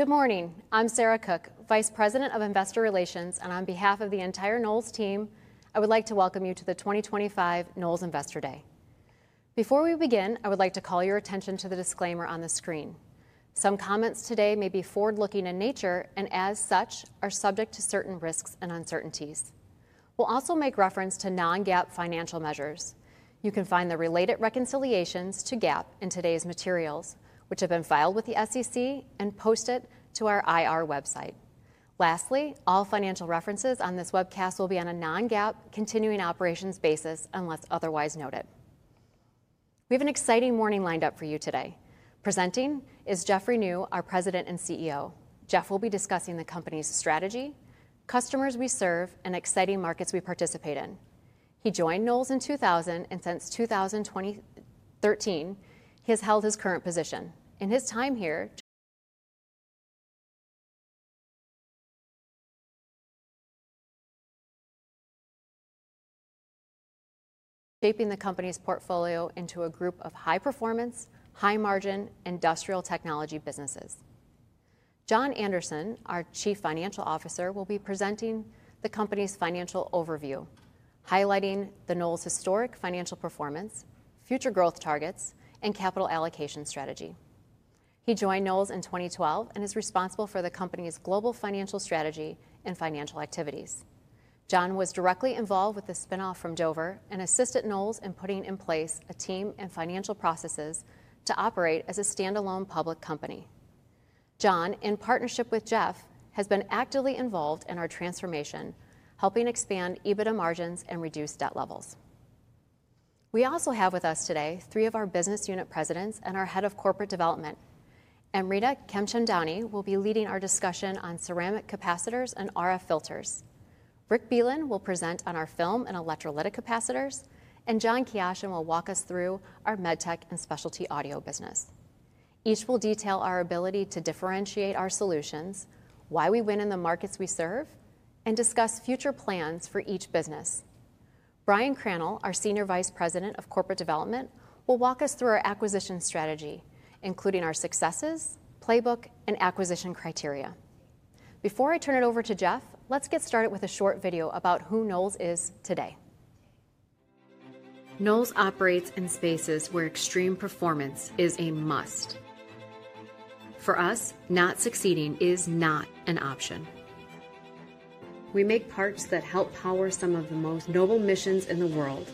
Good morning. I'm Sarah Cook, Vice President of Investor Relations, and on behalf of the entire Knowles team, I would like to welcome you to the 2025 Knowles Investor Day. Before we begin, I would like to call your attention to the disclaimer on the screen. Some comments today may be forward-looking in nature and, as such, are subject to certain risks and uncertainties. We'll also make reference to non-GAAP financial measures. You can find the related reconciliations to GAAP in today's materials, which have been filed with the SEC and posted to our IR website. Lastly, all financial references on this webcast will be on a non-GAAP continuing operations basis unless otherwise noted. We have an exciting morning lined up for you today. Presenting is Jeffrey Niew, our President and CEO. Jeff will be discussing the company's strategy, customers we serve, and exciting markets we participate in. He joined Knowles in 2000, and since 2013, he has held his current position. In his time here, shaping the company's portfolio into a group of high-performance, high-margin, industrial technology businesses. John Anderson, our Chief Financial Officer, will be presenting the company's financial overview, highlighting Knowles' historic financial performance, future growth targets, and capital allocation strategy. He joined Knowles in 2012 and is responsible for the company's global financial strategy and financial activities. John was directly involved with the spinoff from Dover and assisted Knowles in putting in place a team and financial processes to operate as a standalone public company. John, in partnership with Jeff, has been actively involved in our transformation, helping expand EBITDA margins and reduce debt levels. We also have with us today three of our business unit presidents and our Head of Corporate Development. Amrita Khemchandani will be leading our discussion on ceramic capacitors and RF filters. Rick Bielan will present on our film and electrolytic capacitors, and John Kiyashin will walk us through our medtech and specialty audio business. Each will detail our ability to differentiate our solutions, why we win in the markets we serve, and discuss future plans for each business. Brian Crannell, our Senior Vice President of Corporate Development, will walk us through our acquisition strategy, including our successes, playbook, and acquisition criteria. Before I turn it over to Jeff, let's get started with a short video about who Knowles is today. Knowles operates in spaces where extreme performance is a must. For us, not succeeding is not an option. We make parts that help power some of the most noble missions in the world,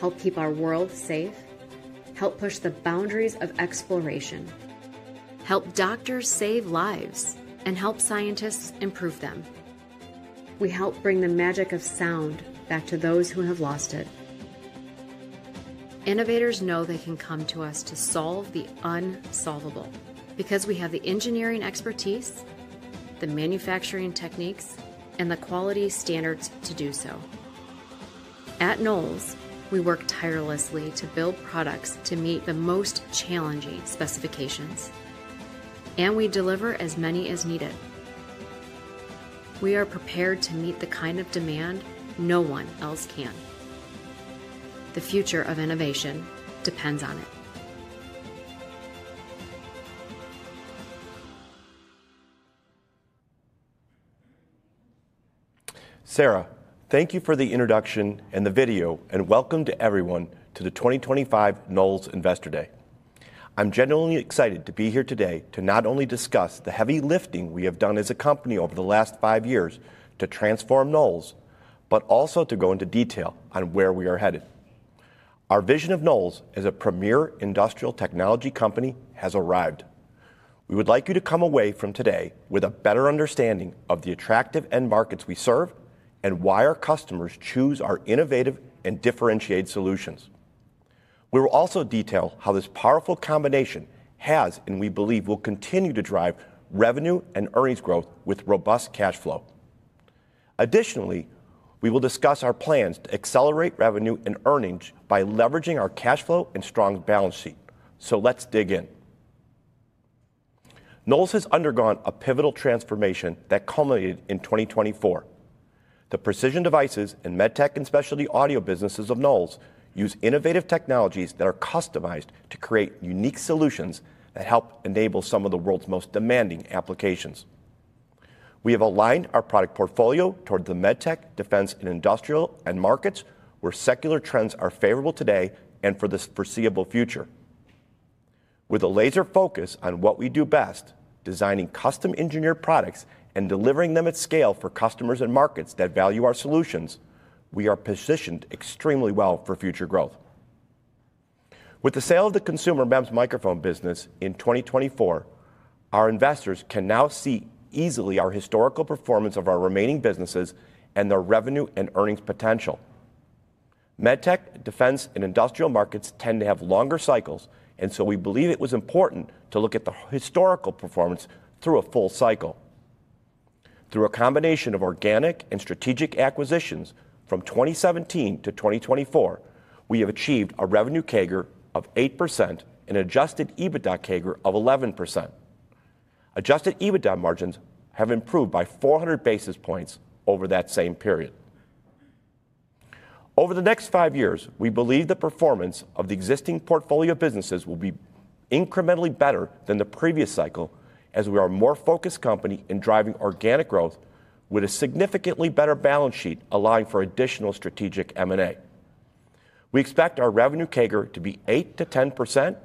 help keep our world safe, help push the boundaries of exploration, help doctors save lives, and help scientists improve them. We help bring the magic of sound back to those who have lost it. Innovators know they can come to us to solve the unsolvable because we have the engineering expertise, the manufacturing techniques, and the quality standards to do so. At Knowles, we work tirelessly to build products to meet the most challenging specifications, and we deliver as many as needed. We are prepared to meet the kind of demand no one else can. The future of innovation depends on it. Sarah, thank you for the introduction and the video, and welcome to everyone to the 2025 Knowles Investor Day. I'm genuinely excited to be here today to not only discuss the heavy lifting we have done as a company over the last five years to transform Knowles, but also to go into detail on where we are headed. Our vision of Knowles as a premier industrial technology company has arrived. We would like you to come away from today with a better understanding of the attractive end markets we serve and why our customers choose our innovative and differentiated solutions. We will also detail how this powerful combination has, and we believe, will continue to drive revenue and earnings growth with robust cash flow. Additionally, we will discuss our plans to accelerate revenue and earnings by leveraging our cash flow and strong balance sheet. Let's dig in. Knowles has undergone a pivotal transformation that culminated in 2024. The precision devices and medtech and specialty audio businesses of Knowles use innovative technologies that are customized to create unique solutions that help enable some of the world's most demanding applications. We have aligned our product portfolio toward the medtech, defense, and industrial end markets where secular trends are favorable today and for the foreseeable future. With a laser focus on what we do best, designing custom-engineered products and delivering them at scale for customers and markets that value our solutions, we are positioned extremely well for future growth. With the sale of the consumer MEMS microphone business in 2024, our investors can now see easily our historical performance of our remaining businesses and their revenue and earnings potential. MedTech, defense, and industrial markets tend to have longer cycles, and so we believe it was important to look at the historical performance through a full cycle. Through a combination of organic and strategic acquisitions from 2017 to 2024, we have achieved a revenue CAGR of 8% and an adjusted EBITDA CAGR of 11%. Adjusted EBITDA margins have improved by 400 basis points over that same period. Over the next five years, we believe the performance of the existing portfolio businesses will be incrementally better than the previous cycle as we are a more focused company in driving organic growth with a significantly better balance sheet allowing for additional strategic M&A. We expect our revenue CAGR to be 8%-10%.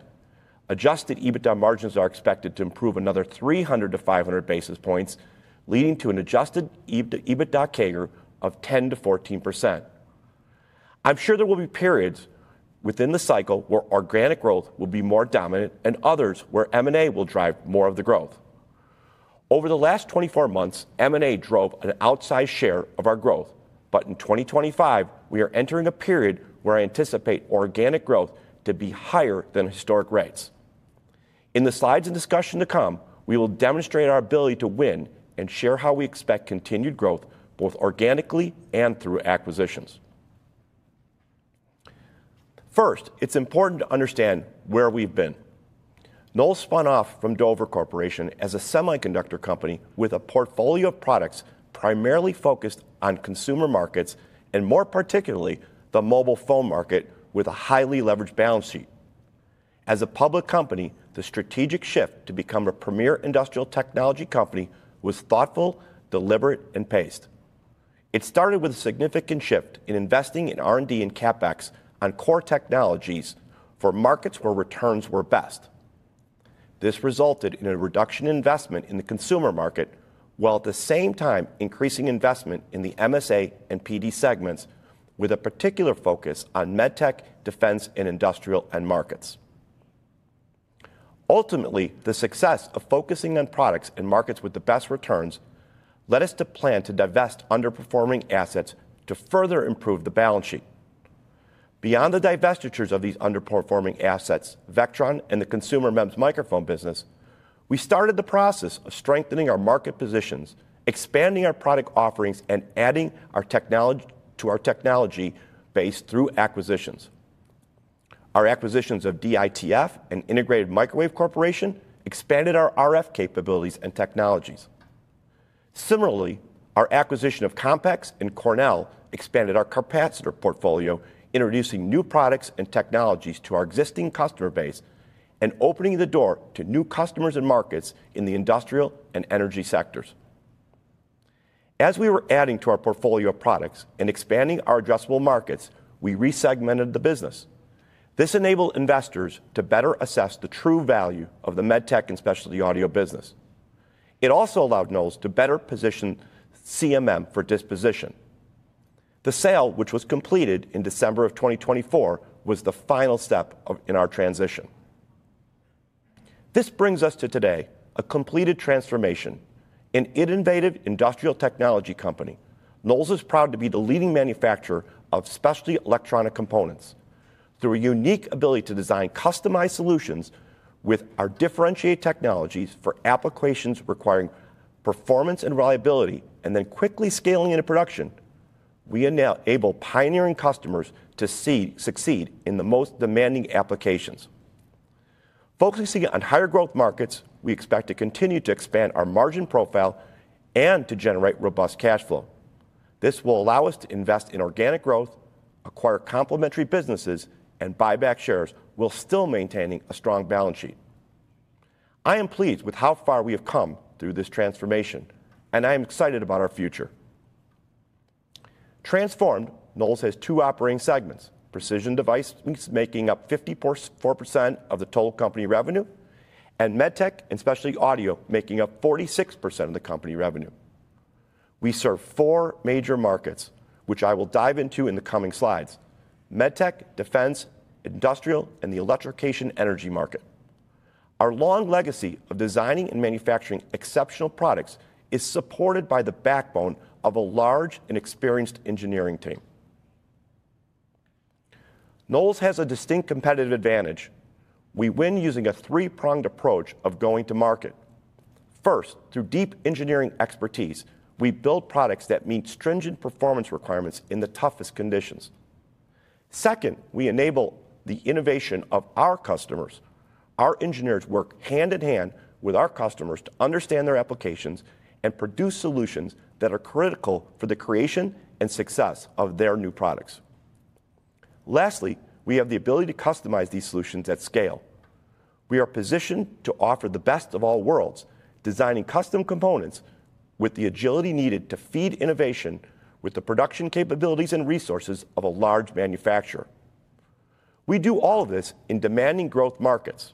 Adjusted EBITDA margins are expected to improve another 300-500 basis points, leading to an adjusted EBITDA CAGR of 10%-14%. I'm sure there will be periods within the cycle where organic growth will be more dominant and others where M&A will drive more of the growth. Over the last 24 months, M&A drove an outsized share of our growth, but in 2025, we are entering a period where I anticipate organic growth to be higher than historic rates. In the slides and discussion to come, we will demonstrate our ability to win and share how we expect continued growth both organically and through acquisitions. First, it's important to understand where we've been. Knowles spun off from Dover Corporation as a semiconductor company with a portfolio of products primarily focused on consumer markets and more particularly the mobile phone market with a highly leveraged balance sheet. As a public company, the strategic shift to become a premier industrial technology company was thoughtful, deliberate, and paced. It started with a significant shift in investing in R&D and CapEx on core technologies for markets where returns were best. This resulted in a reduction in investment in the consumer market while at the same time increasing investment in the MSA and PD segments with a particular focus on medtech, defense, and industrial end markets. Ultimately, the success of focusing on products and markets with the best returns led us to plan to divest underperforming assets to further improve the balance sheet. Beyond the divestitures of these underperforming assets, Vectron and the consumer MEMS microphone business, we started the process of strengthening our market positions, expanding our product offerings, and adding our technology to our technology base through acquisitions. Our acquisitions of DITF and Integrated Microwave Corporation expanded our RF capabilities and technologies. Similarly, our acquisition of CompEx and Cornell expanded our capacitor portfolio, introducing new products and technologies to our existing customer base and opening the door to new customers and markets in the industrial and energy sectors. As we were adding to our portfolio of products and expanding our addressable markets, we resegmented the business. This enabled investors to better assess the true value of the medtech and specialty audio business. It also allowed Knowles to better position CMM for disposition. The sale, which was completed in December of 2024, was the final step in our transition. This brings us to today, a completed transformation in an innovative industrial technology company. Knowles is proud to be the leading manufacturer of specialty electronic components through a unique ability to design customized solutions with our differentiated technologies for applications requiring performance and reliability and then quickly scaling into production. We enable pioneering customers to succeed in the most demanding applications. Focusing on higher growth markets, we expect to continue to expand our margin profile and to generate robust cash flow. This will allow us to invest in organic growth, acquire complementary businesses, and buy back shares while still maintaining a strong balance sheet. I am pleased with how far we have come through this transformation, and I am excited about our future. Transformed, Knowles has two operating segments: Precision Devices making up 54% of the total company revenue and MedTech and Specialty Audio making up 46% of the company revenue. We serve four major markets, which I will dive into in the coming slides: MedTech, defense, industrial, and the electrification energy market. Our long legacy of designing and manufacturing exceptional products is supported by the backbone of a large and experienced engineering team. Knowles has a distinct competitive advantage. We win using a three-pronged approach of going to market. First, through deep engineering expertise, we build products that meet stringent performance requirements in the toughest conditions. Second, we enable the innovation of our customers. Our engineers work hand in hand with our customers to understand their applications and produce solutions that are critical for the creation and success of their new products. Lastly, we have the ability to customize these solutions at scale. We are positioned to offer the best of all worlds, designing custom components with the agility needed to feed innovation with the production capabilities and resources of a large manufacturer. We do all of this in demanding growth markets.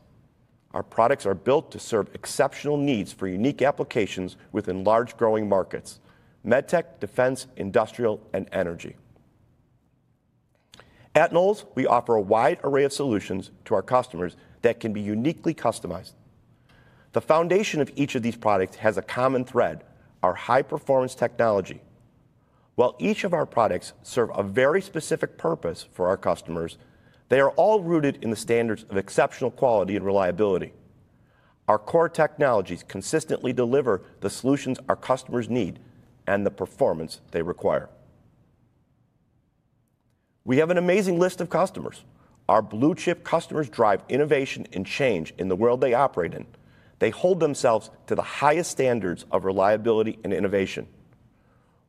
Our products are built to serve exceptional needs for unique applications within large growing markets: medtech, defense, industrial, and energy. At Knowles, we offer a wide array of solutions to our customers that can be uniquely customized. The foundation of each of these products has a common thread: our high-performance technology. While each of our products serves a very specific purpose for our customers, they are all rooted in the standards of exceptional quality and reliability. Our core technologies consistently deliver the solutions our customers need and the performance they require. We have an amazing list of customers. Our blue chip customers drive innovation and change in the world they operate in. They hold themselves to the highest standards of reliability and innovation.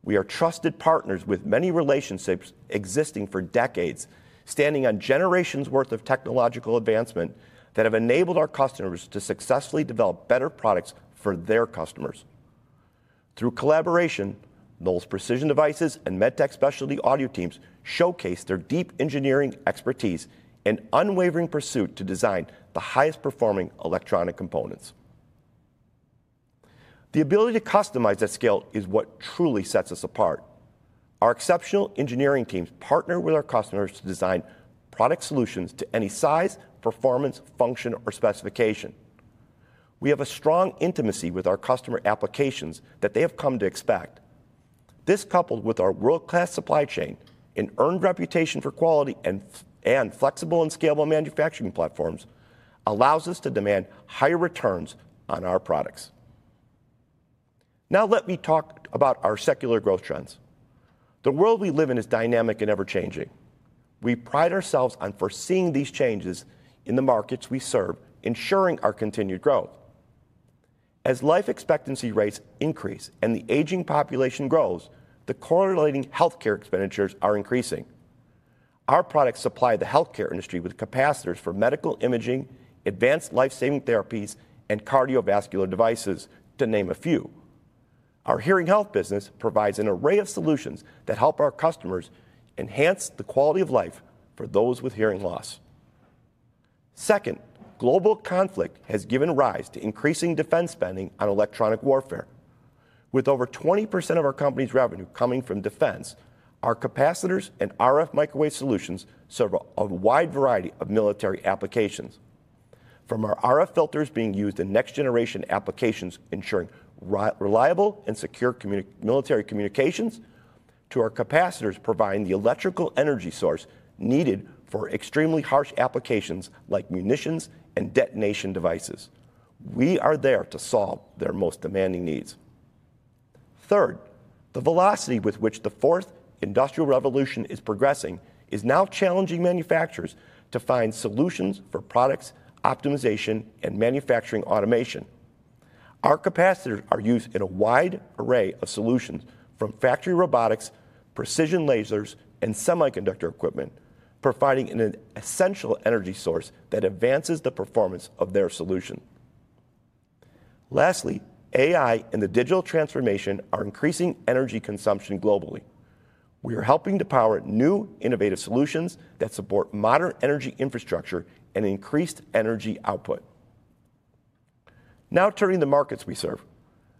We are trusted partners with many relationships existing for decades, standing on generations' worth of technological advancement that have enabled our customers to successfully develop better products for their customers. Through collaboration, Knowles precision devices and MedTech specialty audio teams showcase their deep engineering expertise and unwavering pursuit to design the highest performing electronic components. The ability to customize at scale is what truly sets us apart. Our exceptional engineering teams partner with our customers to design product solutions to any size, performance, function, or specification. We have a strong intimacy with our customer applications that they have come to expect. This, coupled with our world-class supply chain and earned reputation for quality and flexible and scalable manufacturing platforms, allows us to demand higher returns on our products. Now, let me talk about our secular growth trends. The world we live in is dynamic and ever-changing. We pride ourselves on foreseeing these changes in the markets we serve, ensuring our continued growth. As life expectancy rates increase and the aging population grows, the correlating healthcare expenditures are increasing. Our products supply the healthcare industry with capacitors for medical imaging, advanced lifesaving therapies, and cardiovascular devices, to name a few. Our hearing health business provides an array of solutions that help our customers enhance the quality of life for those with hearing loss. Second, global conflict has given rise to increasing defense spending on electronic warfare. With over 20% of our company's revenue coming from defense, our capacitors and RF microwave solutions serve a wide variety of military applications. From our RF filters being used in next-generation applications ensuring reliable and secure military communications to our capacitors providing the electrical energy source needed for extremely harsh applications like munitions and detonation devices, we are there to solve their most demanding needs. Third, the velocity with which the Fourth Industrial Revolution is progressing is now challenging manufacturers to find solutions for product optimization and manufacturing automation. Our capacitors are used in a wide array of solutions from factory robotics, precision lasers, and semiconductor equipment, providing an essential energy source that advances the performance of their solution. Lastly, AI and the digital transformation are increasing energy consumption globally. We are helping to power new innovative solutions that support modern energy infrastructure and increased energy output. Now, turning to the markets we serve,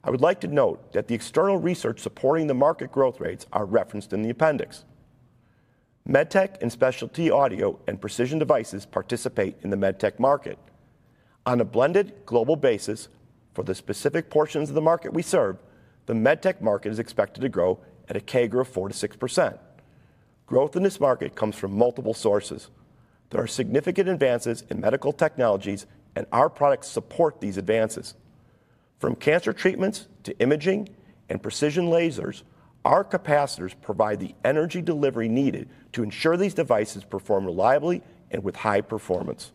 I would like to note that the external research supporting the market growth rates are referenced in the appendix. Medtech and specialty audio and precision devices participate in the medtech market. On a blended global basis for the specific portions of the market we serve, the medtech market is expected to grow at a CAGR of 4%-6%. Growth in this market comes from multiple sources. There are significant advances in medical technologies, and our products support these advances. From cancer treatments to imaging and precision lasers, our capacitors provide the energy delivery needed to ensure these devices perform reliably and with high performance.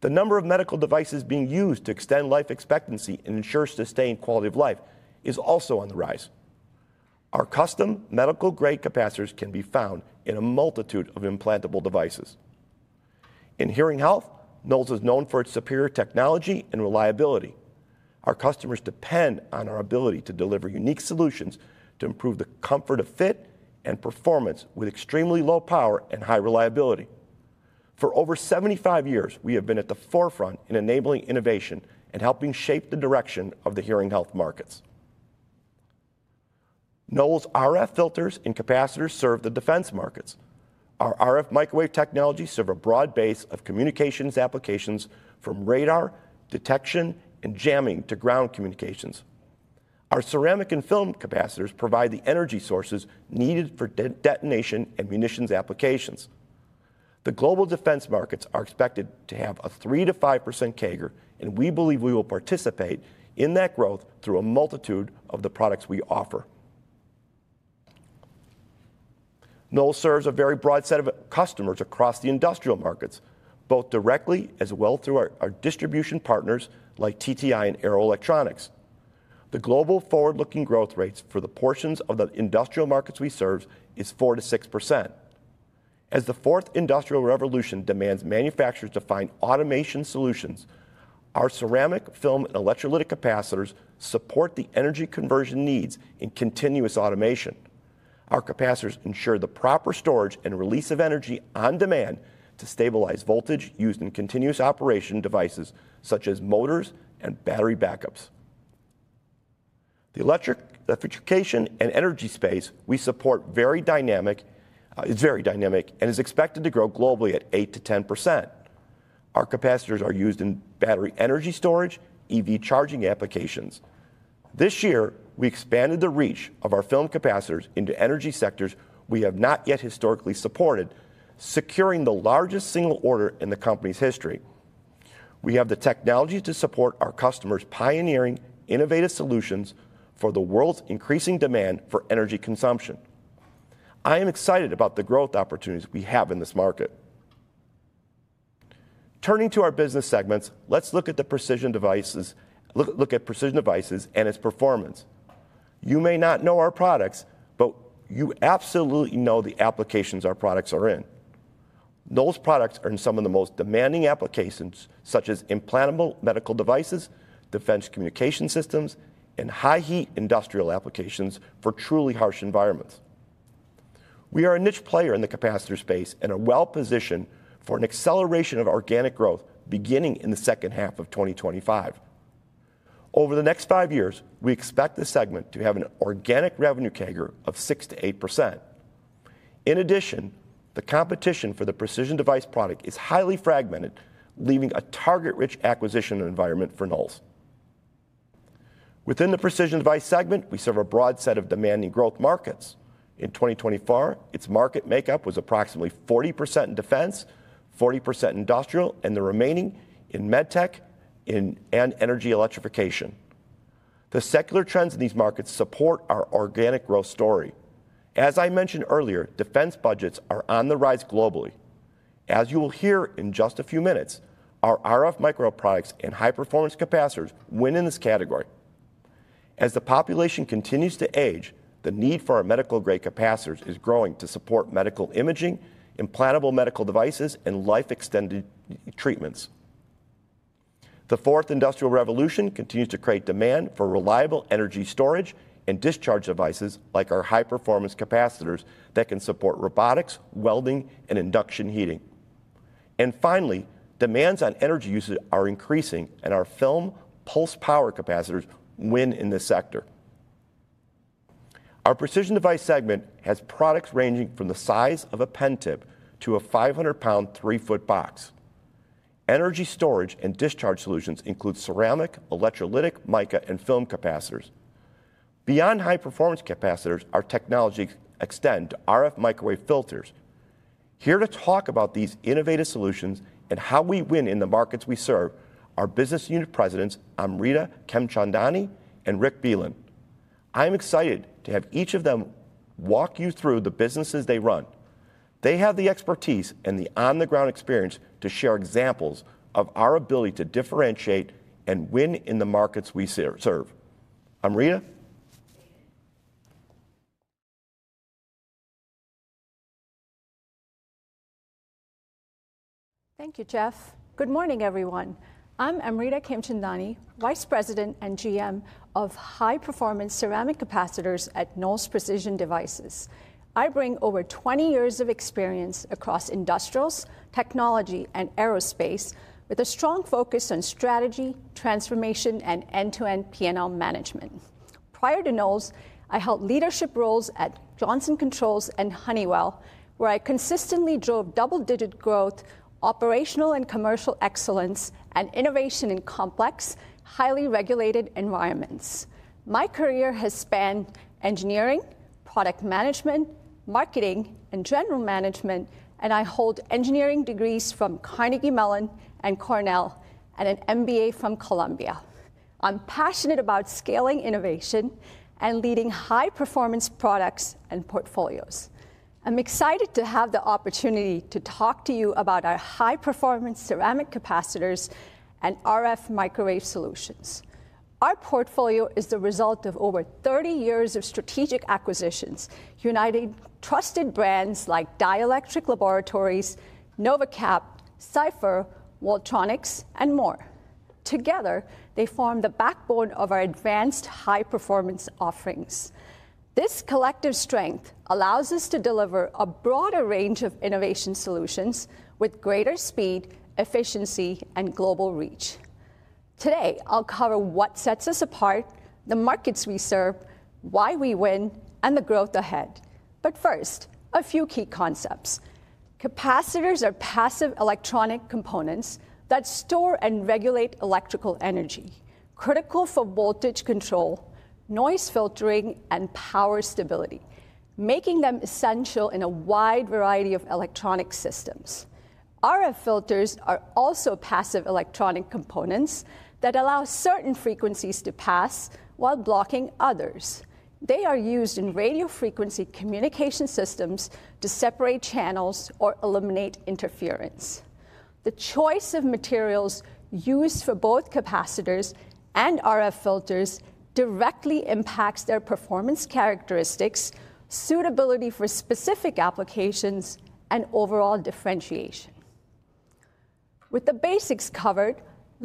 The number of medical devices being used to extend life expectancy and ensure sustained quality of life is also on the rise. Our custom medical-grade capacitors can be found in a multitude of implantable devices. In hearing health, Knowles is known for its superior technology and reliability. Our customers depend on our ability to deliver unique solutions to improve the comfort of fit and performance with extremely low power and high reliability. For over 75 years, we have been at the forefront in enabling innovation and helping shape the direction of the hearing health markets. Knowles RF filters and capacitors serve the defense markets. Our RF microwave technologies serve a broad base of communications applications from radar detection and jamming to ground communications. Our ceramic and film capacitors provide the energy sources needed for detonation and munitions applications. The global defense markets are expected to have a 3%-5% CAGR, and we believe we will participate in that growth through a multitude of the products we offer. Knowles serves a very broad set of customers across the industrial markets, both directly as well as through our distribution partners like TTI and Aeroelectronics. The global forward-looking growth rates for the portions of the industrial markets we serve is 4%-6%. As the Fourth Industrial Revolution demands manufacturers to find automation solutions, our ceramic, film, and electrolytic capacitors support the energy conversion needs in continuous automation. Our capacitors ensure the proper storage and release of energy on demand to stabilize voltage used in continuous operation devices such as motors and battery backups. The electrification and energy space we support is very dynamic and is expected to grow globally at 8%-10%. Our capacitors are used in battery energy storage, EV charging applications. This year, we expanded the reach of our film capacitors into energy sectors we have not yet historically supported, securing the largest single order in the company's history. We have the technology to support our customers' pioneering innovative solutions for the world's increasing demand for energy consumption. I am excited about the growth opportunities we have in this market. Turning to our business segments, let's look at the precision devices and its performance. You may not know our products, but you absolutely know the applications our products are in. Knowles products are in some of the most demanding applications, such as implantable medical devices, defense communication systems, and high-heat industrial applications for truly harsh environments. We are a niche player in the capacitor space and are well-positioned for an acceleration of organic growth beginning in the second half of 2025. Over the next five years, we expect the segment to have an organic revenue CAGR of 6%-8%. In addition, the competition for the precision device product is highly fragmented, leaving a target-rich acquisition environment for Knowles. Within the precision device segment, we serve a broad set of demanding growth markets. In 2024, its market makeup was approximately 40% in defense, 40% industrial, and the remaining in medtech and energy electrification. The secular trends in these markets support our organic growth story. As I mentioned earlier, defense budgets are on the rise globally. As you will hear in just a few minutes, our RF microwave products and high-performance capacitors win in this category. As the population continues to age, the need for our medical-grade capacitors is growing to support medical imaging, implantable medical devices, and life-extending treatments. The Fourth Industrial Revolution continues to create demand for reliable energy storage and discharge devices like our high-performance capacitors that can support robotics, welding, and induction heating. Finally, demands on energy usage are increasing, and our film pulse power capacitors win in this sector. Our precision device segment has products ranging from the size of a pen tip to a 500 lb, 3 ft box. Energy storage and discharge solutions include ceramic, electrolytic, mica, and film capacitors. Beyond high-performance capacitors, our technology extends to RF microwave filters. Here to talk about these innovative solutions and how we win in the markets we serve are business unit presidents Amrita Khemchandani and Rick Bielan. I'm excited to have each of them walk you through the businesses they run. They have the expertise and the on-the-ground experience to share examples of our ability to differentiate and win in the markets we serve. Amrita? Thank you, Jeff. Good morning, everyone. I'm Amrita Khemchandani, Vice President and GM of High-Performance Ceramic Capacitors at Knowles Precision Devices. I bring over 20 years of experience across industrials, technology, and aerospace, with a strong focus on strategy, transformation, and end-to-end P&L management. Prior to Knowles, I held leadership roles at Johnson Controls and Honeywell, where I consistently drove double-digit growth, operational and commercial excellence, and innovation in complex, highly regulated environments. My career has spanned engineering, product management, marketing, and general management, and I hold engineering degrees from Carnegie Mellon and Cornell and an MBA from Columbia. I'm passionate about scaling innovation and leading high-performance products and portfolios. I'm excited to have the opportunity to talk to you about our high-performance ceramic capacitors and RF microwave solutions. Our portfolio is the result of over 30 years of strategic acquisitions uniting trusted brands like Dielectric Laboratories, NovaCap, Cypher, Voltronics, and more. Together, they form the backbone of our advanced high-performance offerings. This collective strength allows us to deliver a broader range of innovation solutions with greater speed, efficiency, and global reach. Today, I'll cover what sets us apart, the markets we serve, why we win, and the growth ahead. First, a few key concepts. Capacitors are passive electronic components that store and regulate electrical energy, critical for voltage control, noise filtering, and power stability, making them essential in a wide variety of electronic systems. RF filters are also passive electronic components that allow certain frequencies to pass while blocking others. They are used in radio frequency communication systems to separate channels or eliminate interference. The choice of materials used for both capacitors and RF filters directly impacts their performance characteristics, suitability for specific applications, and overall differentiation. With the basics covered,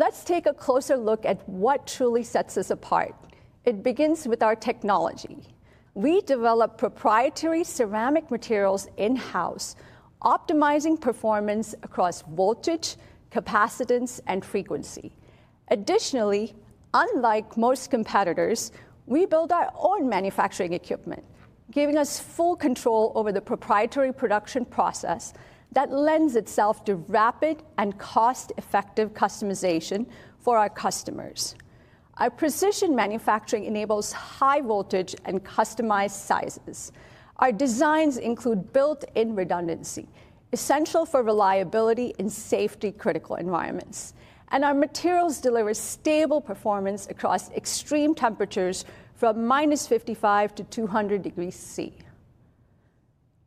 let's take a closer look at what truly sets us apart. It begins with our technology. We develop proprietary ceramic materials in-house, optimizing performance across voltage, capacitance, and frequency. Additionally, unlike most competitors, we build our own manufacturing equipment, giving us full control over the proprietary production process that lends itself to rapid and cost-effective customization for our customers. Our precision manufacturing enables high voltage and customized sizes. Our designs include built-in redundancy, essential for reliability in safety-critical environments. Our materials deliver stable performance across extreme temperatures from minus 55 to 200 degrees Celsius.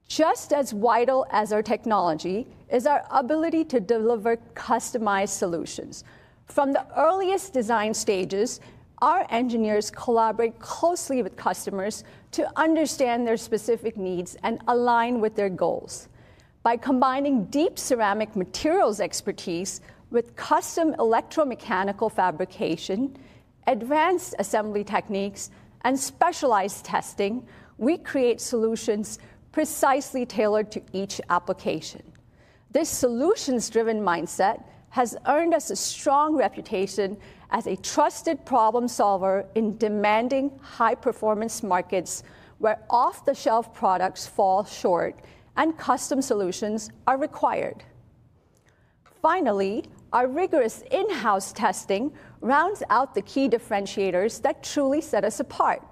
Just as vital as our technology is our ability to deliver customized solutions. From the earliest design stages, our engineers collaborate closely with customers to understand their specific needs and align with their goals. By combining deep ceramic materials expertise with custom electromechanical fabrication, advanced assembly techniques, and specialized testing, we create solutions precisely tailored to each application. This solutions-driven mindset has earned us a strong reputation as a trusted problem solver in demanding high-performance markets where off-the-shelf products fall short and custom solutions are required. Finally, our rigorous in-house testing rounds out the key differentiators that truly set us apart.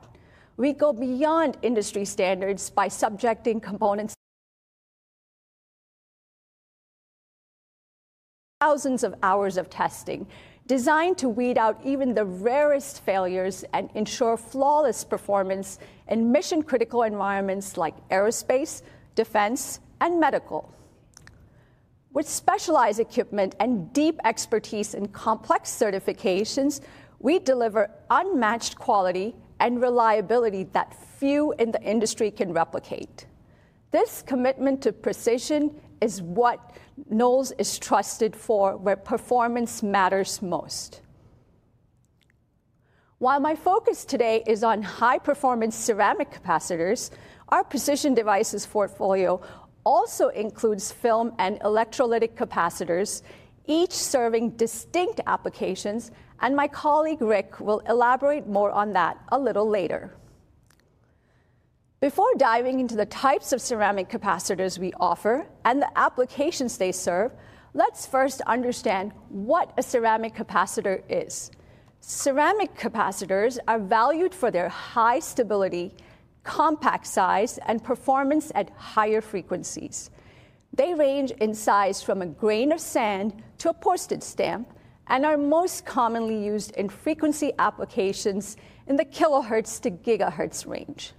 We go beyond industry standards by subjecting components to thousands of hours of testing, designed to weed out even the rarest failures and ensure flawless performance in mission-critical environments like aerospace, defense, and medical. With specialized equipment and deep expertise in complex certifications, we deliver unmatched quality and reliability that few in the industry can replicate. This commitment to precision is what Knowles is trusted for, where performance matters most. While my focus today is on high-performance ceramic capacitors, our precision devices portfolio also includes film and electrolytic capacitors, each serving distinct applications, and my colleague Rick will elaborate more on that a little later. Before diving into the types of ceramic capacitors we offer and the applications they serve, let's first understand what a ceramic capacitor is. Ceramic capacitors are valued for their high stability, compact size, and performance at higher frequencies. They range in size from a grain of sand to a postage stamp and are most commonly used in frequency applications in the kilohertz to gigahertz range.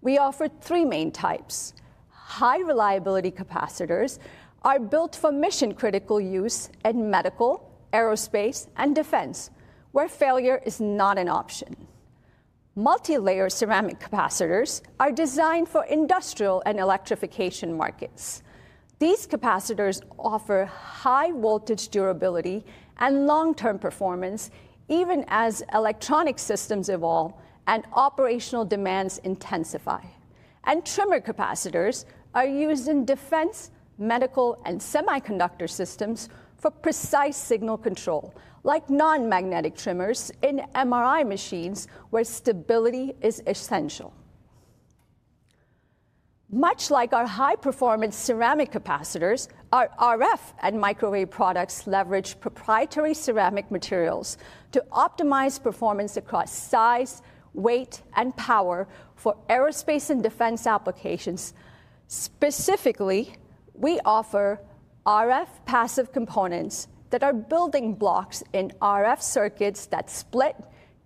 We offer three main types. High-reliability capacitors are built for mission-critical use in medical, aerospace, and defense, where failure is not an option. Multilayer ceramic capacitors are designed for industrial and electrification markets. These capacitors offer high voltage durability and long-term performance, even as electronic systems evolve and operational demands intensify. Trimmer capacitors are used in defense, medical, and semiconductor systems for precise signal control, like non-magnetic trimmers in MRI machines where stability is essential. Much like our high-performance ceramic capacitors, our RF and microwave products leverage proprietary ceramic materials to optimize performance across size, weight, and power for aerospace and defense applications. Specifically, we offer RF passive components that are building blocks in RF circuits that split,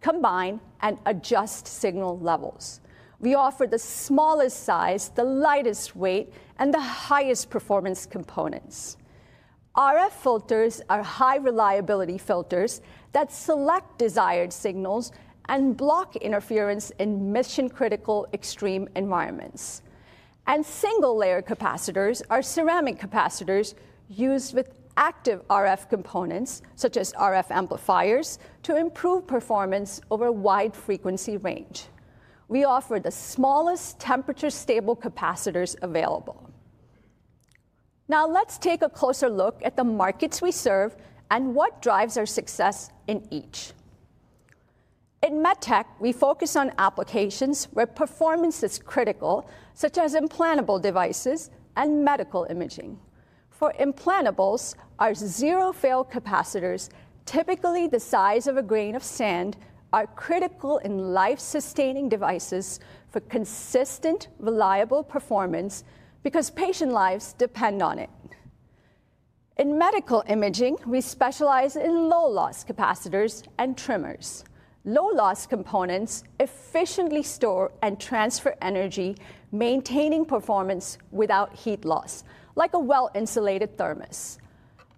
combine, and adjust signal levels. We offer the smallest size, the lightest weight, and the highest performance components. RF filters are high-reliability filters that select desired signals and block interference in mission-critical extreme environments. Single-layer capacitors are ceramic capacitors used with active RF components, such as RF amplifiers, to improve performance over a wide frequency range. We offer the smallest temperature-stable capacitors available. Now, let's take a closer look at the markets we serve and what drives our success in each. In MedTech, we focus on applications where performance is critical, such as implantable devices and medical imaging. For implantables, our zero-fail capacitors, typically the size of a grain of sand, are critical in life-sustaining devices for consistent, reliable performance because patient lives depend on it. In medical imaging, we specialize in low-loss capacitors and trimmers. Low-loss components efficiently store and transfer energy, maintaining performance without heat loss, like a well-insulated thermos.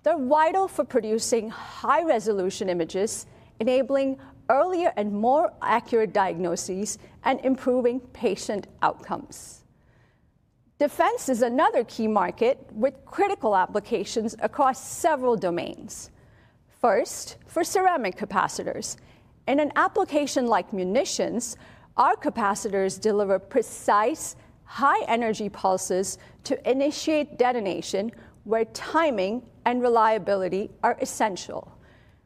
They're vital for producing high-resolution images, enabling earlier and more accurate diagnoses and improving patient outcomes. Defense is another key market with critical applications across several domains. First, for ceramic capacitors. In an application like munitions, our capacitors deliver precise, high-energy pulses to initiate detonation where timing and reliability are essential.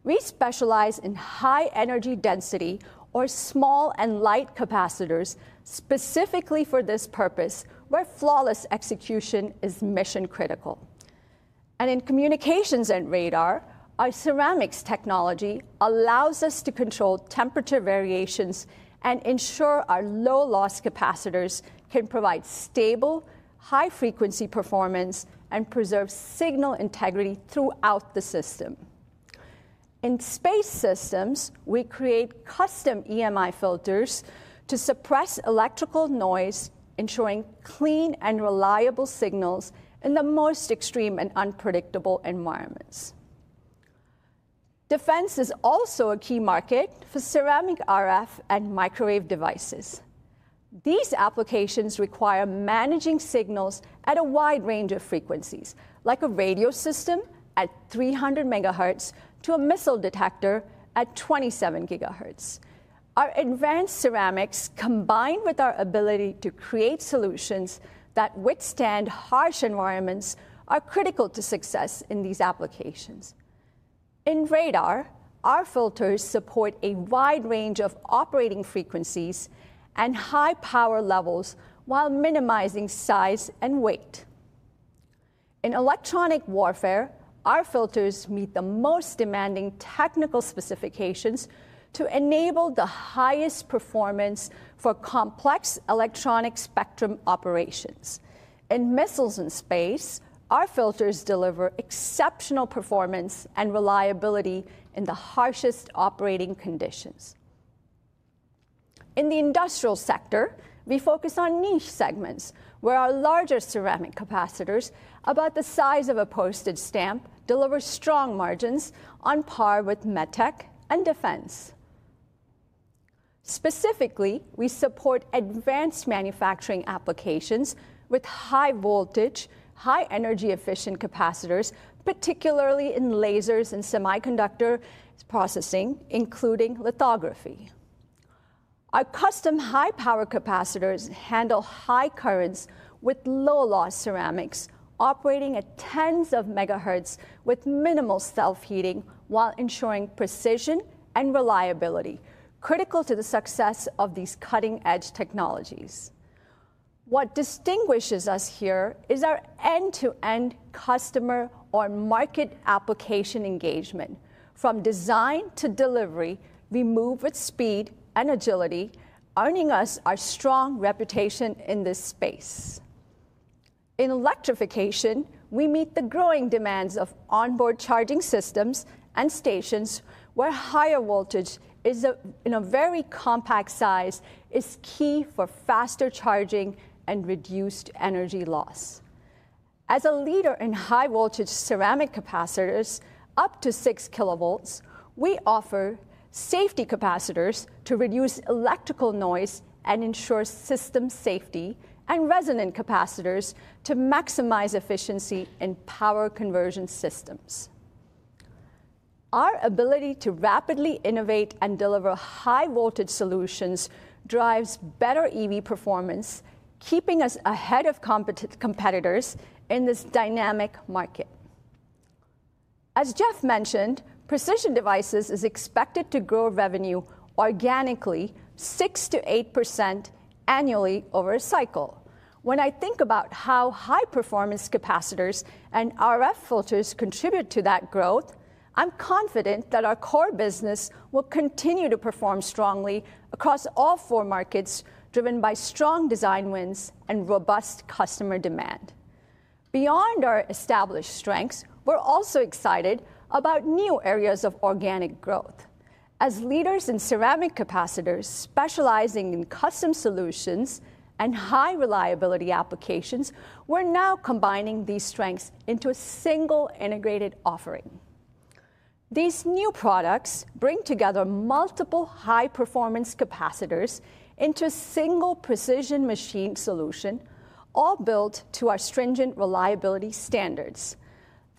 We specialize in high-energy density or small and light capacitors specifically for this purpose, where flawless execution is mission-critical. In communications and radar, our ceramics technology allows us to control temperature variations and ensure our low-loss capacitors can provide stable, high-frequency performance and preserve signal integrity throughout the system. In space systems, we create custom EMI filters to suppress electrical noise, ensuring clean and reliable signals in the most extreme and unpredictable environments. Defense is also a key market for ceramic RF and microwave devices. These applications require managing signals at a wide range of frequencies, like a radio system at 300 megahertz to a missile detector at 27 gigahertz. Our advanced ceramics, combined with our ability to create solutions that withstand harsh environments, are critical to success in these applications. In radar, our filters support a wide range of operating frequencies and high power levels while minimizing size and weight. In electronic warfare, our filters meet the most demanding technical specifications to enable the highest performance for complex electronic spectrum operations. In missiles and space, our filters deliver exceptional performance and reliability in the harshest operating conditions. In the industrial sector, we focus on niche segments where our larger ceramic capacitors, about the size of a postage stamp, deliver strong margins on par with medtech and defense. Specifically, we support advanced manufacturing applications with high-voltage, high-energy-efficient capacitors, particularly in lasers and semiconductor processing, including lithography. Our custom high-power capacitors handle high currents with low-loss ceramics, operating at tens of megahertz with minimal self-heating while ensuring precision and reliability, critical to the success of these cutting-edge technologies. What distinguishes us here is our end-to-end customer or market application engagement. From design to delivery, we move with speed and agility, earning us our strong reputation in this space. In electrification, we meet the growing demands of onboard charging systems and stations where higher voltage in a very compact size is key for faster charging and reduced energy loss. As a leader in high-voltage ceramic capacitors up to 6 kilovolts, we offer safety capacitors to reduce electrical noise and ensure system safety, and resonant capacitors to maximize efficiency in power conversion systems. Our ability to rapidly innovate and deliver high-voltage solutions drives better EV performance, keeping us ahead of competitors in this dynamic market. As Jeff mentioned, Precision Devices is expected to grow revenue organically 6-8% annually over a cycle. When I think about how high-performance capacitors and RF filters contribute to that growth, I'm confident that our core business will continue to perform strongly across all four markets, driven by strong design wins and robust customer demand. Beyond our established strengths, we're also excited about new areas of organic growth. As leaders in ceramic capacitors specializing in custom solutions and high-reliability applications, we're now combining these strengths into a single integrated offering. These new products bring together multiple high-performance capacitors into a single precision machine solution, all built to our stringent reliability standards.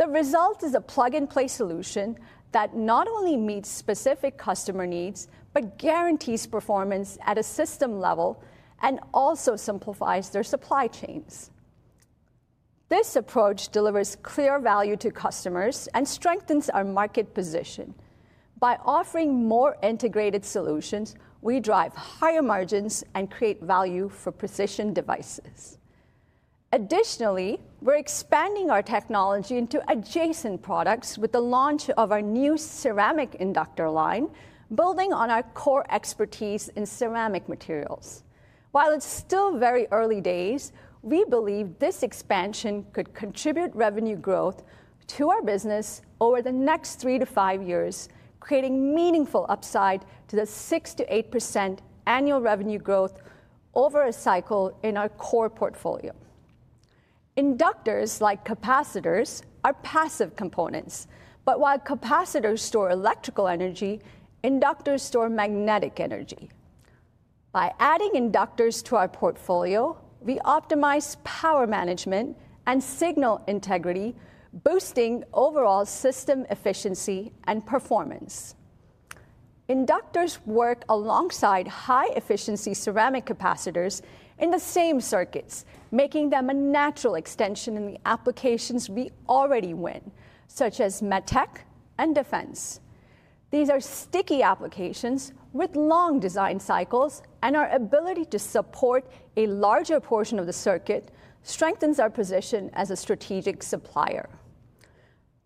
The result is a plug-and-play solution that not only meets specific customer needs but guarantees performance at a system level and also simplifies their supply chains. This approach delivers clear value to customers and strengthens our market position. By offering more integrated solutions, we drive higher margins and create value for precision devices. Additionally, we're expanding our technology into adjacent products with the launch of our new ceramic inductor line, building on our core expertise in ceramic materials. While it's still very early days, we believe this expansion could contribute revenue growth to our business over the next three to five years, creating meaningful upside to the 6-8% annual revenue growth over a cycle in our core portfolio. Inductors, like capacitors, are passive components, but while capacitors store electrical energy, inductors store magnetic energy. By adding inductors to our portfolio, we optimize power management and signal integrity, boosting overall system efficiency and performance. Inductors work alongside high-efficiency ceramic capacitors in the same circuits, making them a natural extension in the applications we already win, such as medtech and defense. These are sticky applications with long design cycles, and our ability to support a larger portion of the circuit strengthens our position as a strategic supplier.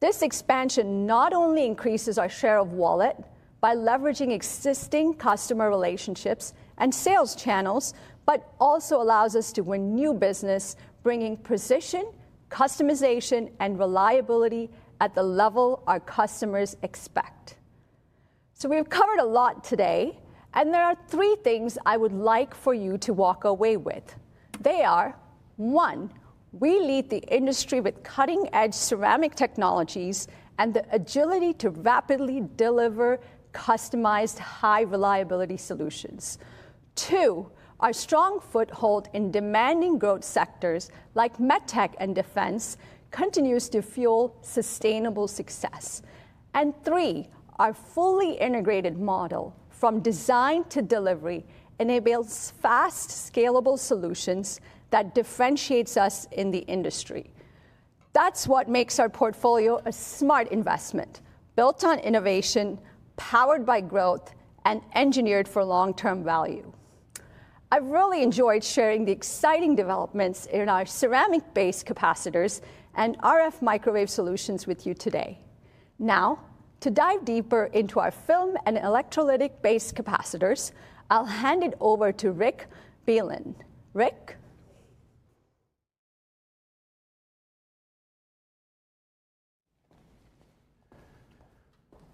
This expansion not only increases our share of wallet by leveraging existing customer relationships and sales channels, but also allows us to win new business, bringing precision, customization, and reliability at the level our customers expect. We have covered a lot today, and there are three things I would like for you to walk away with. They are, one, we lead the industry with cutting-edge ceramic technologies and the agility to rapidly deliver customized high-reliability solutions. Two, our strong foothold in demanding growth sectors like medtech and defense continues to fuel sustainable success. Three, our fully integrated model, from design to delivery, enables fast, scalable solutions that differentiate us in the industry. That's what makes our portfolio a smart investment, built on innovation, powered by growth, and engineered for long-term value. I've really enjoyed sharing the exciting developments in our ceramic-based capacitors and RF microwave solutions with you today. Now, to dive deeper into our film and electrolytic-based capacitors, I'll hand it over to Rick Bielan. Rick.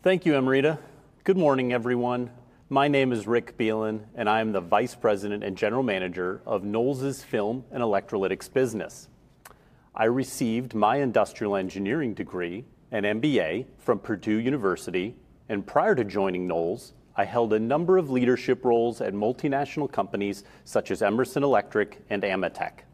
Thank you, Amrita. Good morning, everyone. My name is Rick Bielan, and I am the Vice President and General Manager of Knowles' Film and Electrolytics Business. I received my industrial engineering degree, an MBA, from Purdue University, and prior to joining Knowles, I held a number of leadership roles at multinational companies such as Emerson Electric and Amitech.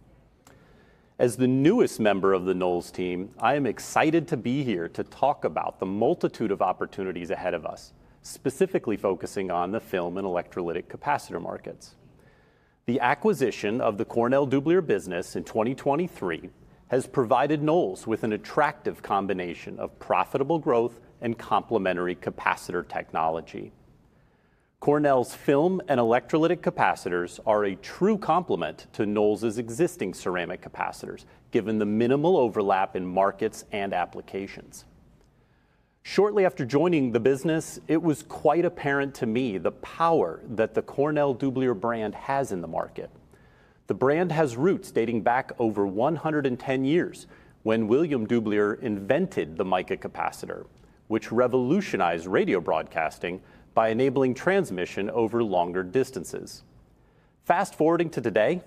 As the newest member of the Knowles team, I am excited to be here to talk about the multitude of opportunities ahead of us, specifically focusing on the film and electrolytic capacitor markets. The acquisition of the Cornell Dubilier business in 2023 has provided Knowles with an attractive combination of profitable growth and complementary capacitor technology. Cornell's film and electrolytic capacitors are a true complement to Knowles' existing ceramic capacitors, given the minimal overlap in markets and applications. Shortly after joining the business, it was quite apparent to me the power that the Cornell Dubilier brand has in the market. The brand has roots dating back over 110 years when William Dubilier invented the mica capacitor, which revolutionized radio broadcasting by enabling transmission over longer distances. Fast forwarding to today,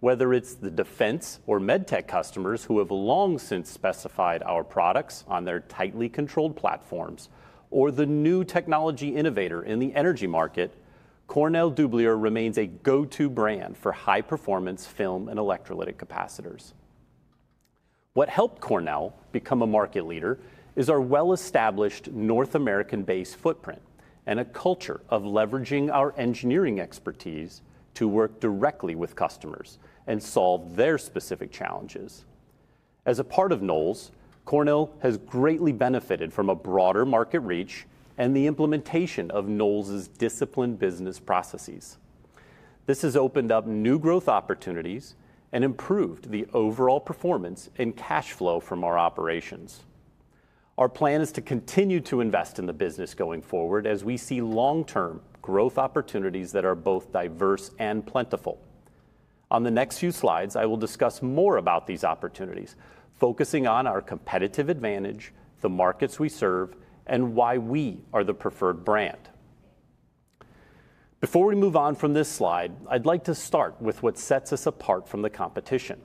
whether it's the defense or medtech customers who have long since specified our products on their tightly controlled platforms or the new technology innovator in the energy market, Cornell Dubilier remains a go-to brand for high-performance film and electrolytic capacitors. What helped Cornell become a market leader is our well-established North American-based footprint and a culture of leveraging our engineering expertise to work directly with customers and solve their specific challenges. As a part of Knowles, Cornell has greatly benefited from a broader market reach and the implementation of Knowles' disciplined business processes. This has opened up new growth opportunities and improved the overall performance and cash flow from our operations. Our plan is to continue to invest in the business going forward as we see long-term growth opportunities that are both diverse and plentiful. On the next few slides, I will discuss more about these opportunities, focusing on our competitive advantage, the markets we serve, and why we are the preferred brand. Before we move on from this slide, I'd like to start with what sets us apart from the competition.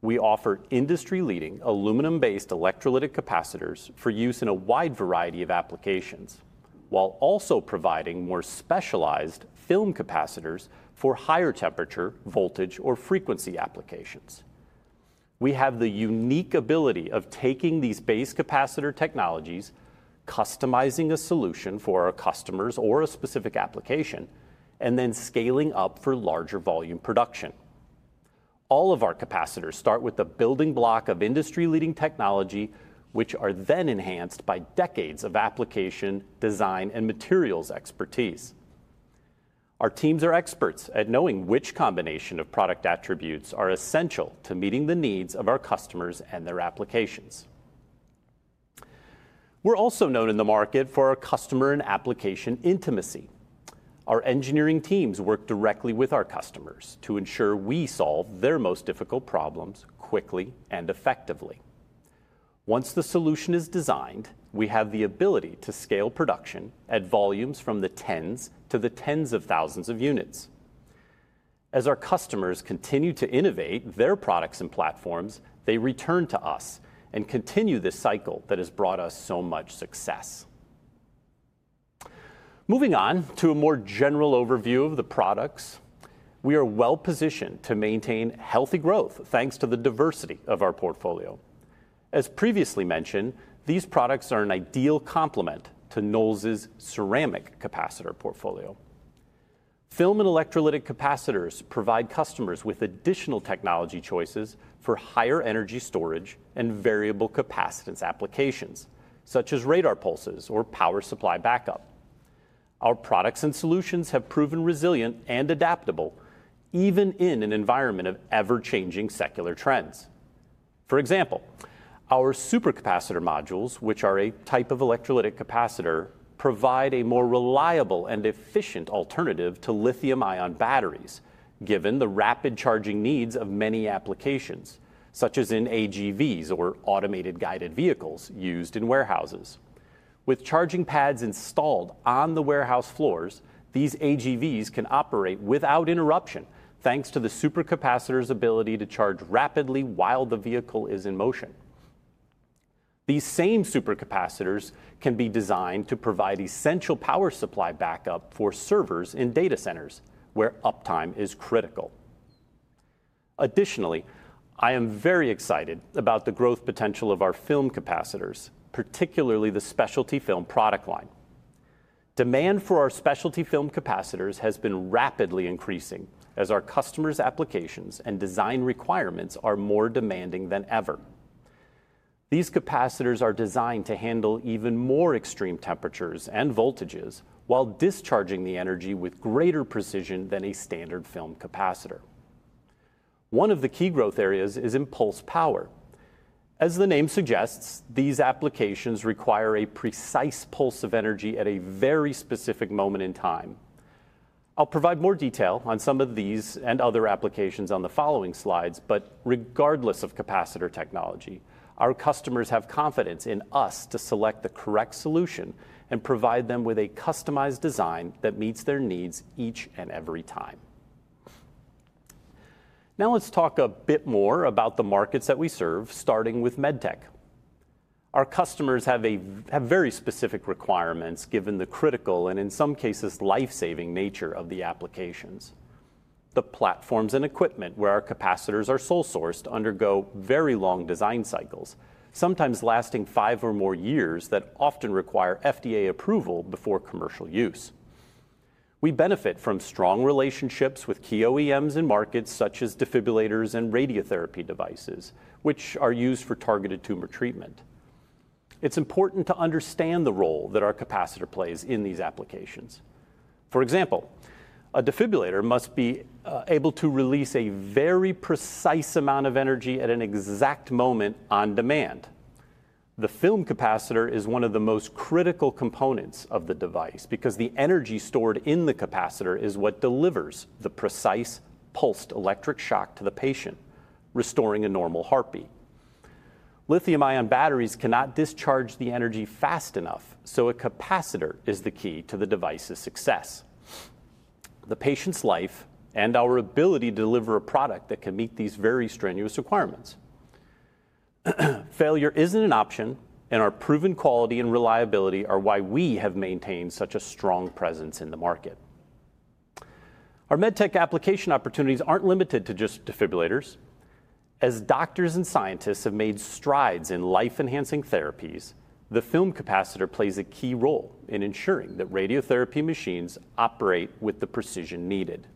We offer industry-leading aluminum-based electrolytic capacitors for use in a wide variety of applications, while also providing more specialized film capacitors for higher temperature, voltage, or frequency applications. We have the unique ability of taking these base capacitor technologies, customizing a solution for our customers or a specific application, and then scaling up for larger volume production. All of our capacitors start with the building block of industry-leading technology, which are then enhanced by decades of application, design, and materials expertise. Our teams are experts at knowing which combination of product attributes are essential to meeting the needs of our customers and their applications. We're also known in the market for our customer and application intimacy. Our engineering teams work directly with our customers to ensure we solve their most difficult problems quickly and effectively. Once the solution is designed, we have the ability to scale production at volumes from the tens to the tens of thousands of units. As our customers continue to innovate their products and platforms, they return to us and continue this cycle that has brought us so much success. Moving on to a more general overview of the products, we are well-positioned to maintain healthy growth thanks to the diversity of our portfolio. As previously mentioned, these products are an ideal complement to Knowles' ceramic capacitor portfolio. Film and electrolytic capacitors provide customers with additional technology choices for higher energy storage and variable capacitance applications, such as radar pulses or power supply backup. Our products and solutions have proven resilient and adaptable, even in an environment of ever-changing secular trends. For example, our supercapacitor modules, which are a type of electrolytic capacitor, provide a more reliable and efficient alternative to lithium-ion batteries, given the rapid charging needs of many applications, such as in AGVs or automated guided vehicles used in warehouses. With charging pads installed on the warehouse floors, these AGVs can operate without interruption, thanks to the supercapacitor's ability to charge rapidly while the vehicle is in motion. These same supercapacitors can be designed to provide essential power supply backup for servers in data centers, where uptime is critical. Additionally, I am very excited about the growth potential of our film capacitors, particularly the specialty film product line. Demand for our specialty film capacitors has been rapidly increasing as our customers' applications and design requirements are more demanding than ever. These capacitors are designed to handle even more extreme temperatures and voltages while discharging the energy with greater precision than a standard film capacitor. One of the key growth areas is impulse power. As the name suggests, these applications require a precise pulse of energy at a very specific moment in time. I'll provide more detail on some of these and other applications on the following slides, but regardless of capacitor technology, our customers have confidence in us to select the correct solution and provide them with a customized design that meets their needs each and every time. Now let's talk a bit more about the markets that we serve, starting with medtech. Our customers have very specific requirements given the critical and, in some cases, life-saving nature of the applications. The platforms and equipment where our capacitors are sole-sourced undergo very long design cycles, sometimes lasting five or more years that often require FDA approval before commercial use. We benefit from strong relationships with OEMs in markets such as defibrillators and radiotherapy devices, which are used for targeted tumor treatment. It's important to understand the role that our capacitor plays in these applications. For example, a defibrillator must be able to release a very precise amount of energy at an exact moment on demand. The film capacitor is one of the most critical components of the device because the energy stored in the capacitor is what delivers the precise pulsed electric shock to the patient, restoring a normal heartbeat. Lithium-ion batteries cannot discharge the energy fast enough, so a capacitor is the key to the device's success, the patient's life, and our ability to deliver a product that can meet these very strenuous requirements. Failure isn't an option, and our proven quality and reliability are why we have maintained such a strong presence in the market. Our medtech application opportunities aren't limited to just defibrillators. As doctors and scientists have made strides in life-enhancing therapies, the film capacitor plays a key role in ensuring that radiotherapy machines operate with the precision needed.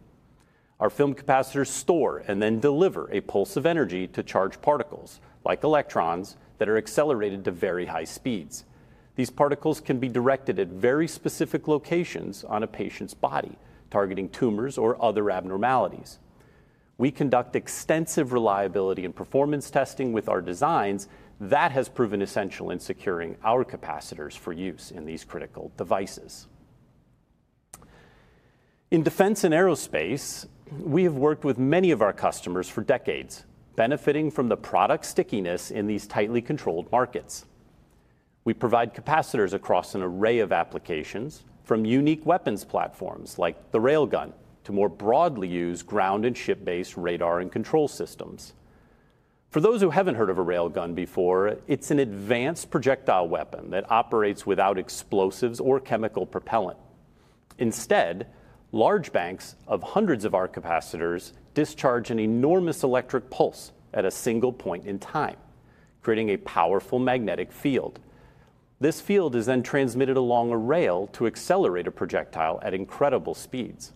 Our film capacitors store and then deliver a pulse of energy to charge particles like electrons that are accelerated to very high speeds. These particles can be directed at very specific locations on a patient's body, targeting tumors or other abnormalities. We conduct extensive reliability and performance testing with our designs that have proven essential in securing our capacitors for use in these critical devices. In defense and aerospace, we have worked with many of our customers for decades, benefiting from the product stickiness in these tightly controlled markets. We provide capacitors across an array of applications, from unique weapons platforms like the rail gun to more broadly used ground and ship-based radar and control systems. For those who have not heard of a rail gun before, it is an advanced projectile weapon that operates without explosives or chemical propellant. Instead, large banks of hundreds of our capacitors discharge an enormous electric pulse at a single point in time, creating a powerful magnetic field. This field is then transmitted along a rail to accelerate a projectile at incredible speeds.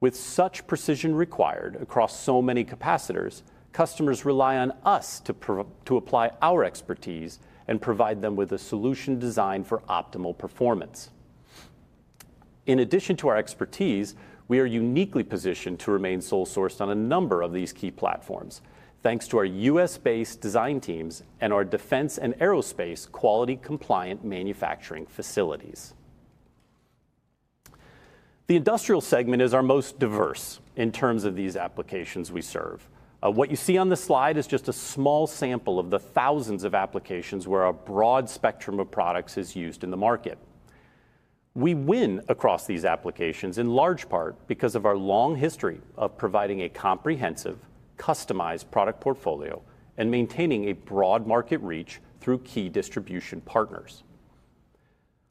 With such precision required across so many capacitors, customers rely on us to apply our expertise and provide them with a solution designed for optimal performance. In addition to our expertise, we are uniquely positioned to remain sole-sourced on a number of these key platforms, thanks to our U.S.-based design teams and our defense and aerospace quality-compliant manufacturing facilities. The industrial segment is our most diverse in terms of these applications we serve. What you see on the slide is just a small sample of the thousands of applications where a broad spectrum of products is used in the market. We win across these applications in large part because of our long history of providing a comprehensive, customized product portfolio and maintaining a broad market reach through key distribution partners.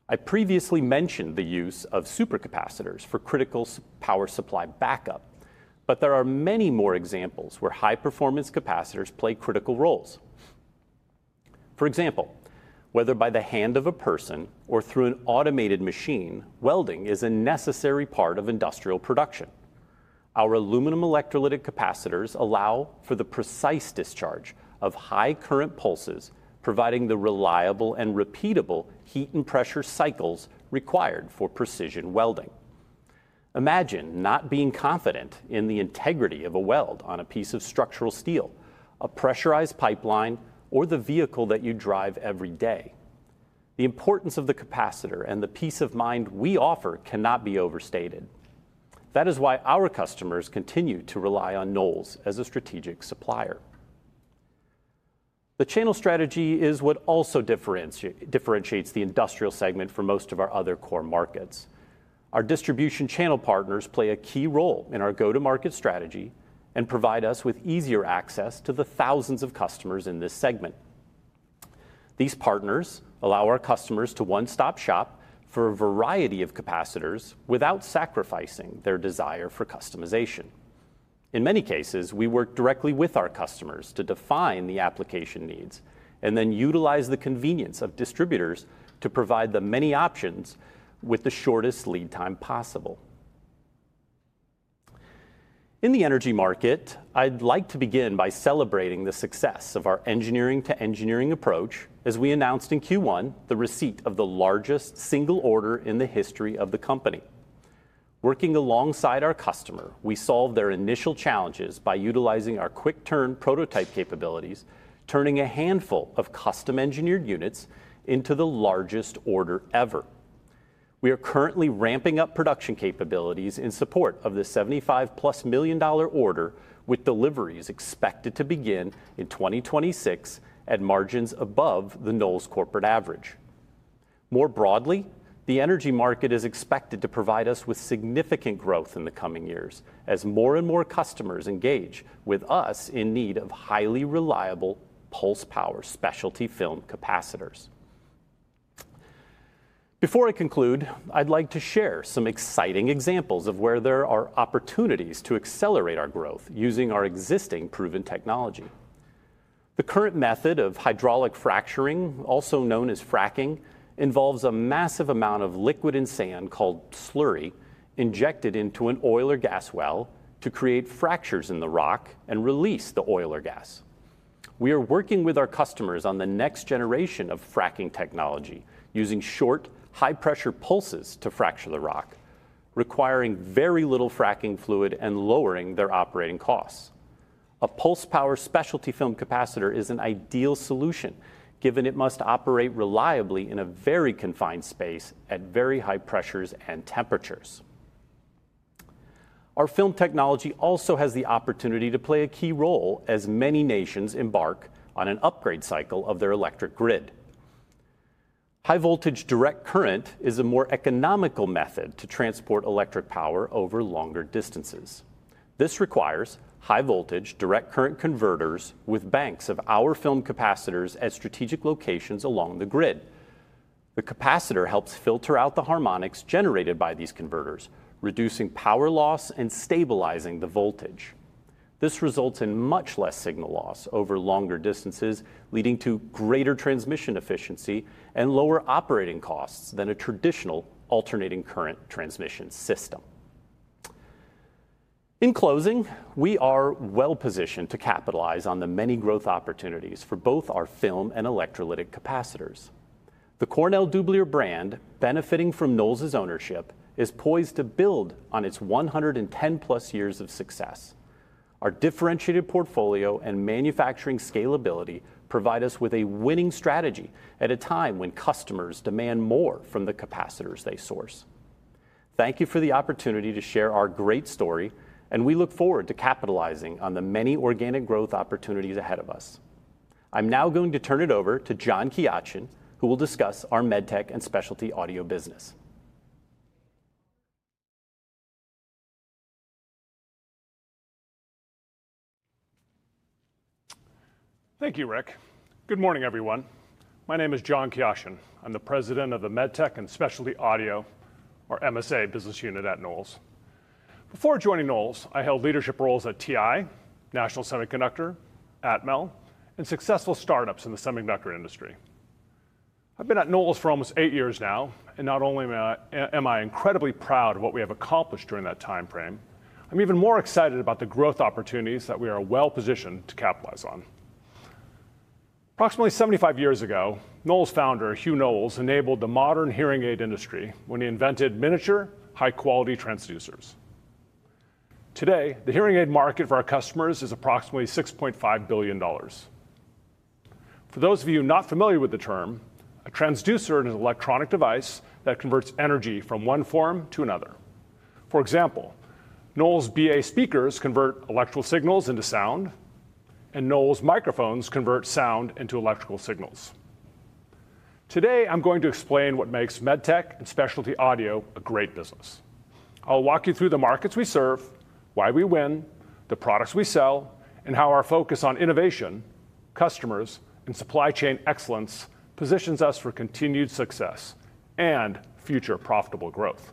I previously mentioned the use of supercapacitors for critical power supply backup, but there are many more examples where high-performance capacitors play critical roles. For example, whether by the hand of a person or through an automated machine, welding is a necessary part of industrial production. Our aluminum electrolytic capacitors allow for the precise discharge of high-current pulses, providing the reliable and repeatable heat and pressure cycles required for precision welding. Imagine not being confident in the integrity of a weld on a piece of structural steel, a pressurized pipeline, or the vehicle that you drive every day. The importance of the capacitor and the peace of mind we offer cannot be overstated. That is why our customers continue to rely on Knowles as a strategic supplier. The channel strategy is what also differentiates the industrial segment from most of our other core markets. Our distribution channel partners play a key role in our go-to-market strategy and provide us with easier access to the thousands of customers in this segment. These partners allow our customers to one-stop shop for a variety of capacitors without sacrificing their desire for customization. In many cases, we work directly with our customers to define the application needs and then utilize the convenience of distributors to provide the many options with the shortest lead time possible. In the energy market, I'd like to begin by celebrating the success of our engineering-to-engineering approach as we announced in Q1 the receipt of the largest single order in the history of the company. Working alongside our customer, we solved their initial challenges by utilizing our quick-turn prototype capabilities, turning a handful of custom-engineered units into the largest order ever. We are currently ramping up production capabilities in support of the $75-plus million order, with deliveries expected to begin in 2026 at margins above the Knowles corporate average. More broadly, the energy market is expected to provide us with significant growth in the coming years as more and more customers engage with us in need of highly reliable pulse power specialty film capacitors. Before I conclude, I'd like to share some exciting examples of where there are opportunities to accelerate our growth using our existing proven technology. The current method of hydraulic fracturing, also known as fracking, involves a massive amount of liquid and sand called slurry injected into an oil or gas well to create fractures in the rock and release the oil or gas. We are working with our customers on the next generation of fracking technology using short, high-pressure pulses to fracture the rock, requiring very little fracking fluid and lowering their operating costs. A pulse power specialty film capacitor is an ideal solution given it must operate reliably in a very confined space at very high pressures and temperatures. Our film technology also has the opportunity to play a key role as many nations embark on an upgrade cycle of their electric grid. High-voltage direct current is a more economical method to transport electric power over longer distances. This requires high-voltage direct current converters with banks of our film capacitors at strategic locations along the grid. The capacitor helps filter out the harmonics generated by these converters, reducing power loss and stabilizing the voltage. This results in much less signal loss over longer distances, leading to greater transmission efficiency and lower operating costs than a traditional alternating current transmission system. In closing, we are well-positioned to capitalize on the many growth opportunities for both our film and electrolytic capacitors. The Cornell Dubilier brand, benefiting from Knowles' ownership, is poised to build on its 110-plus years of success. Our differentiated portfolio and manufacturing scalability provide us with a winning strategy at a time when customers demand more from the capacitors they source. Thank you for the opportunity to share our great story, and we look forward to capitalizing on the many organic growth opportunities ahead of us. I'm now going to turn it over to John Kiachian, who will discuss our medtech and specialty audio business. Thank you, Rick. Good morning, everyone. My name is John Kiachian. I'm the President of the MedTech and Specialty Audio, or MSA, business unit at Knowles. Before joining Knowles, I held leadership roles at Texas Instruments, National Semiconductor, Atmel, and successful startups in the semiconductor industry. I've been at Knowles for almost eight years now, and not only am I incredibly proud of what we have accomplished during that time frame, I'm even more excited about the growth opportunities that we are well-positioned to capitalize on. Approximately 75 years ago, Knowles founder Hugh Knowles enabled the modern hearing aid industry when he invented miniature, high-quality transducers. Today, the hearing aid market for our customers is approximately $6.5 billion. For those of you not familiar with the term, a transducer is an electronic device that converts energy from one form to another. For example, Knowles BA speakers convert electrical signals into sound, and Knowles microphones convert sound into electrical signals. Today, I'm going to explain what makes medtech and specialty audio a great business. I'll walk you through the markets we serve, why we win, the products we sell, and how our focus on innovation, customers, and supply chain excellence positions us for continued success and future profitable growth.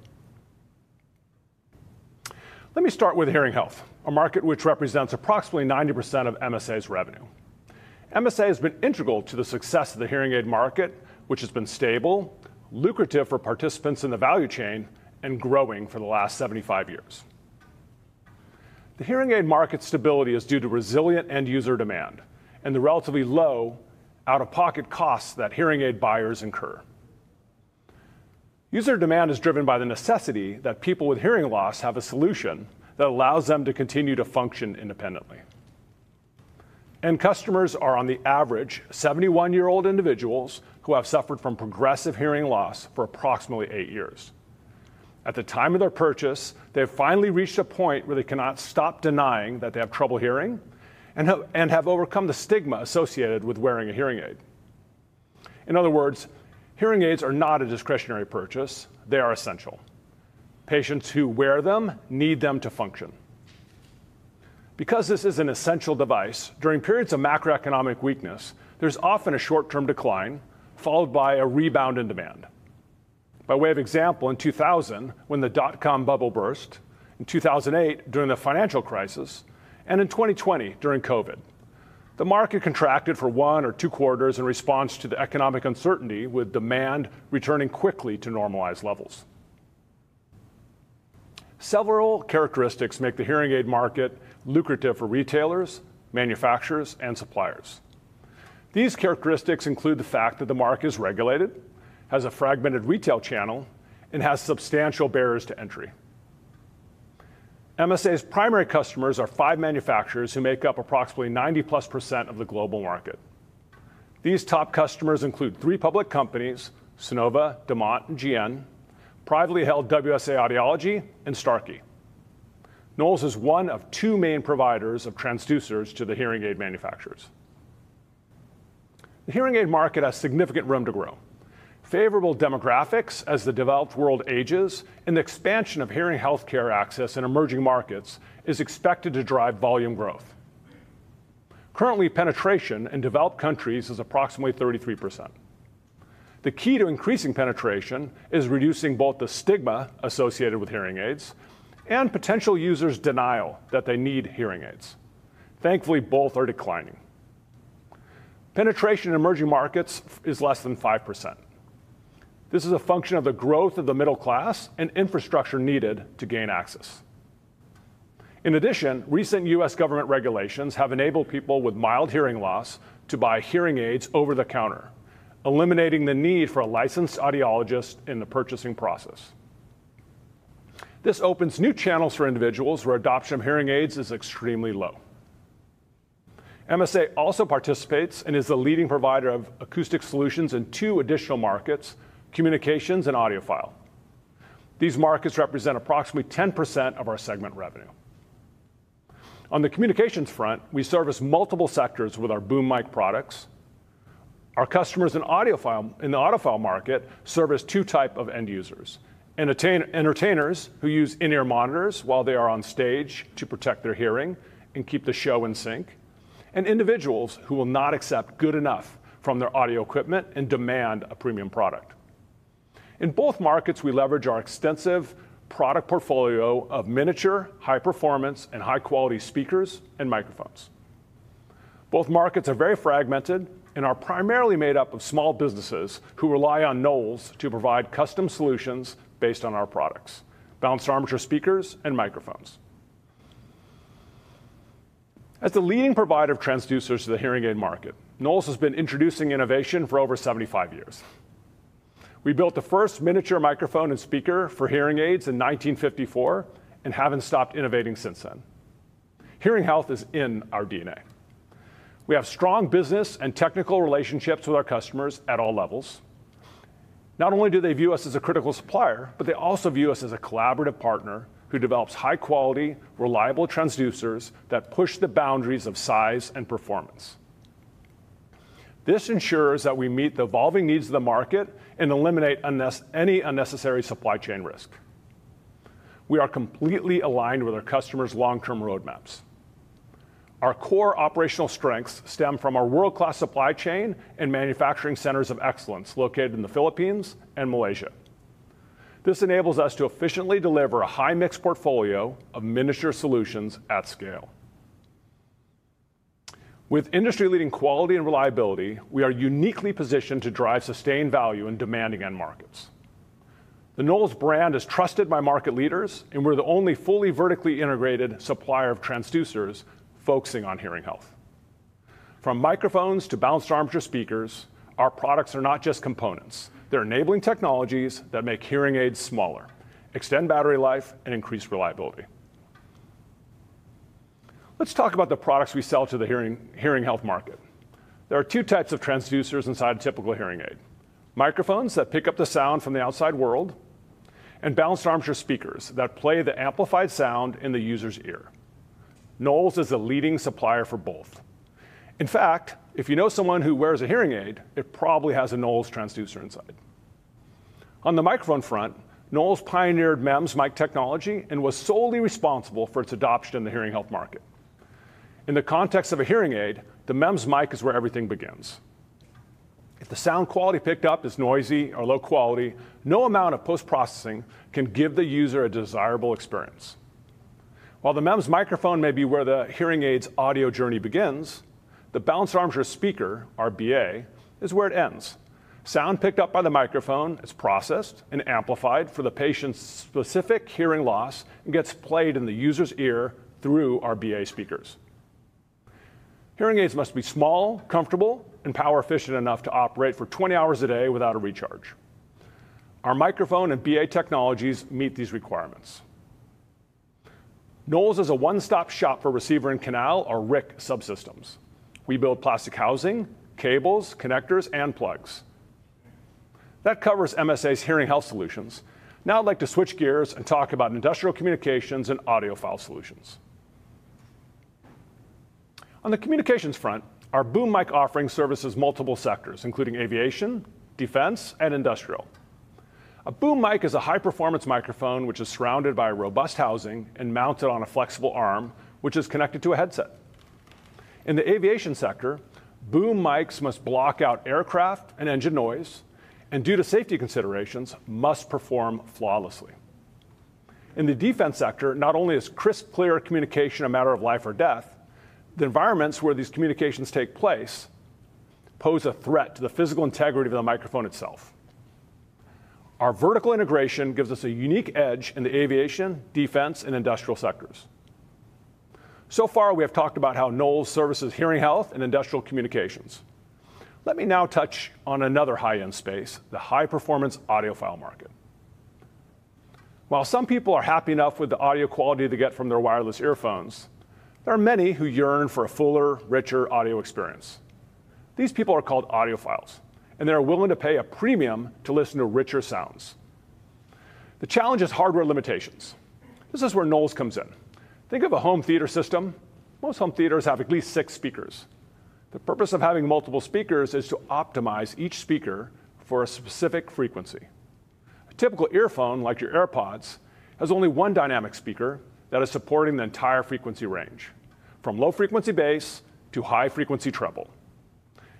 Let me start with hearing health, a market which represents approximately 90% of MSA's revenue. MSA has been integral to the success of the hearing aid market, which has been stable, lucrative for participants in the value chain, and growing for the last 75 years. The hearing aid market stability is due to resilient end-user demand and the relatively low out-of-pocket costs that hearing aid buyers incur. User demand is driven by the necessity that people with hearing loss have a solution that allows them to continue to function independently. Customers are on the average 71-year-old individuals who have suffered from progressive hearing loss for approximately eight years. At the time of their purchase, they have finally reached a point where they cannot stop denying that they have trouble hearing and have overcome the stigma associated with wearing a hearing aid. In other words, hearing aids are not a discretionary purchase; they are essential. Patients who wear them need them to function. Because this is an essential device, during periods of macroeconomic weakness, there's often a short-term decline followed by a rebound in demand. By way of example, in 2000, when the dot-com bubble burst, in 2008, during the financial crisis, and in 2020, during COVID. The market contracted for one or two quarters in response to the economic uncertainty, with demand returning quickly to normalized levels. Several characteristics make the hearing aid market lucrative for retailers, manufacturers, and suppliers. These characteristics include the fact that the market is regulated, has a fragmented retail channel, and has substantial barriers to entry. MSA's primary customers are five manufacturers who make up approximately 90-plus % of the global market. These top customers include three public companies: Sonova, Demant, and GN, privately held WS Audiology, and Starkey. Knowles is one of two main providers of transducers to the hearing aid manufacturers. The hearing aid market has significant room to grow. Favorable demographics, as the developed world ages, and the expansion of hearing health care access in emerging markets is expected to drive volume growth. Currently, penetration in developed countries is approximately 33%. The key to increasing penetration is reducing both the stigma associated with hearing aids and potential users' denial that they need hearing aids. Thankfully, both are declining. Penetration in emerging markets is less than 5%. This is a function of the growth of the middle class and infrastructure needed to gain access. In addition, recent U.S. government regulations have enabled people with mild hearing loss to buy hearing aids over the counter, eliminating the need for a licensed audiologist in the purchasing process. This opens new channels for individuals where adoption of hearing aids is extremely low. MSA also participates and is the leading provider of acoustic solutions in two additional markets: communications and audiophile. These markets represent approximately 10% of our segment revenue. On the communications front, we service multiple sectors with our boom mic products. Our customers in the audiophile market service two types of end users: entertainers who use in-ear monitors while they are on stage to protect their hearing and keep the show in sync, and individuals who will not accept "good enough" from their audio equipment and demand a premium product. In both markets, we leverage our extensive product portfolio of miniature, high-performance, and high-quality speakers and microphones. Both markets are very fragmented and are primarily made up of small businesses who rely on Knowles to provide custom solutions based on our products: balanced armature speakers and microphones. As the leading provider of transducers to the hearing aid market, Knowles has been introducing innovation for over 75 years. We built the first miniature microphone and speaker for hearing aids in 1954 and haven't stopped innovating since then. Hearing health is in our DNA. We have strong business and technical relationships with our customers at all levels. Not only do they view us as a critical supplier, but they also view us as a collaborative partner who develops high-quality, reliable transducers that push the boundaries of size and performance. This ensures that we meet the evolving needs of the market and eliminate any unnecessary supply chain risk. We are completely aligned with our customers' long-term roadmaps. Our core operational strengths stem from our world-class supply chain and manufacturing centers of excellence located in the Philippines and Malaysia. This enables us to efficiently deliver a high-mix portfolio of miniature solutions at scale. With industry-leading quality and reliability, we are uniquely positioned to drive sustained value in demanding end markets. The Knowles brand is trusted by market leaders, and we're the only fully vertically integrated supplier of transducers focusing on hearing health. From microphones to balanced armature speakers, our products are not just components. They're enabling technologies that make hearing aids smaller, extend battery life, and increase reliability. Let's talk about the products we sell to the hearing health market. There are two types of transducers inside a typical hearing aid: microphones that pick up the sound from the outside world and balanced armature speakers that play the amplified sound in the user's ear. Knowles is the leading supplier for both. In fact, if you know someone who wears a hearing aid, it probably has a Knowles transducer inside. On the microphone front, Knowles pioneered MEMS mic technology and was solely responsible for its adoption in the hearing health market. In the context of a hearing aid, the MEMS mic is where everything begins. If the sound quality picked up is noisy or low quality, no amount of post-processing can give the user a desirable experience. While the MEMS microphone may be where the hearing aid's audio journey begins, the balanced armature speaker, our BA, is where it ends. Sound picked up by the microphone is processed and amplified for the patient's specific hearing loss and gets played in the user's ear through our BA speakers. Hearing aids must be small, comfortable, and power-efficient enough to operate for 20 hours a day without a recharge. Our microphone and BA technologies meet these requirements. Knowles is a one-stop shop for receiver and canal, our RIC subsystems. We build plastic housing, cables, connectors, and plugs. That covers MSA's hearing health solutions. Now I'd like to switch gears and talk about industrial communications and audiophile solutions. On the communications front, our boom mic offering services multiple sectors, including aviation, defense, and industrial. A boom mic is a high-performance microphone which is surrounded by a robust housing and mounted on a flexible arm, which is connected to a headset. In the aviation sector, boom mics must block out aircraft and engine noise and, due to safety considerations, must perform flawlessly. In the defense sector, not only is crisp, clear communication a matter of life or death, the environments where these communications take place pose a threat to the physical integrity of the microphone itself. Our vertical integration gives us a unique edge in the aviation, defense, and industrial sectors. So far, we have talked about how Knowles services hearing health and industrial communications. Let me now touch on another high-end space, the high-performance audiophile market. While some people are happy enough with the audio quality they get from their wireless earphones, there are many who yearn for a fuller, richer audio experience. These people are called audiophiles, and they are willing to pay a premium to listen to richer sounds. The challenge is hardware limitations. This is where Knowles comes in. Think of a home theater system. Most home theaters have at least six speakers. The purpose of having multiple speakers is to optimize each speaker for a specific frequency. A typical earphone, like your AirPods, has only one dynamic speaker that is supporting the entire frequency range, from low-frequency bass to high-frequency treble.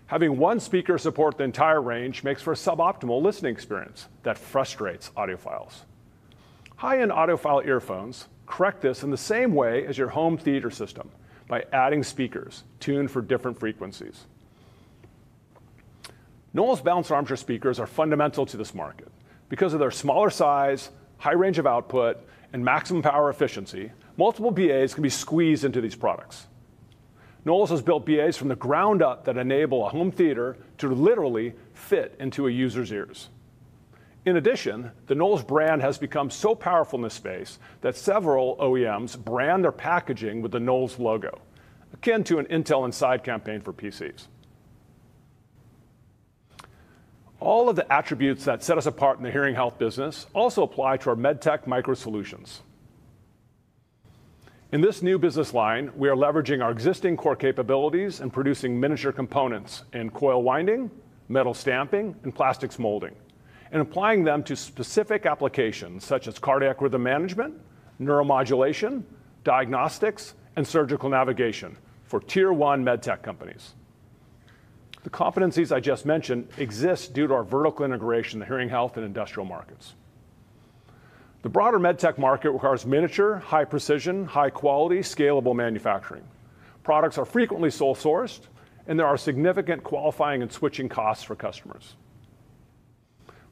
Having one speaker support the entire range makes for a suboptimal listening experience that frustrates audiophiles. High-end audiophile earphones correct this in the same way as your home theater system by adding speakers tuned for different frequencies. Knowles balanced armature speakers are fundamental to this market. Because of their smaller size, high range of output, and maximum power efficiency, multiple BAs can be squeezed into these products. Knowles has built BAs from the ground up that enable a home theater to literally fit into a user's ears. In addition, the Knowles brand has become so powerful in this space that several OEMs brand their packaging with the Knowles logo, akin to an Intel Inside campaign for PCs. All of the attributes that set us apart in the hearing health business also apply to our medtech micro solutions. In this new business line, we are leveraging our existing core capabilities and producing miniature components in coil winding, metal stamping, and plastics molding, and applying them to specific applications such as cardiac rhythm management, neuromodulation, diagnostics, and surgical navigation for tier-one medtech companies. The competencies I just mentioned exist due to our vertical integration in the hearing health and industrial markets. The broader medtech market requires miniature, high-precision, high-quality, scalable manufacturing. Products are frequently sole-sourced, and there are significant qualifying and switching costs for customers.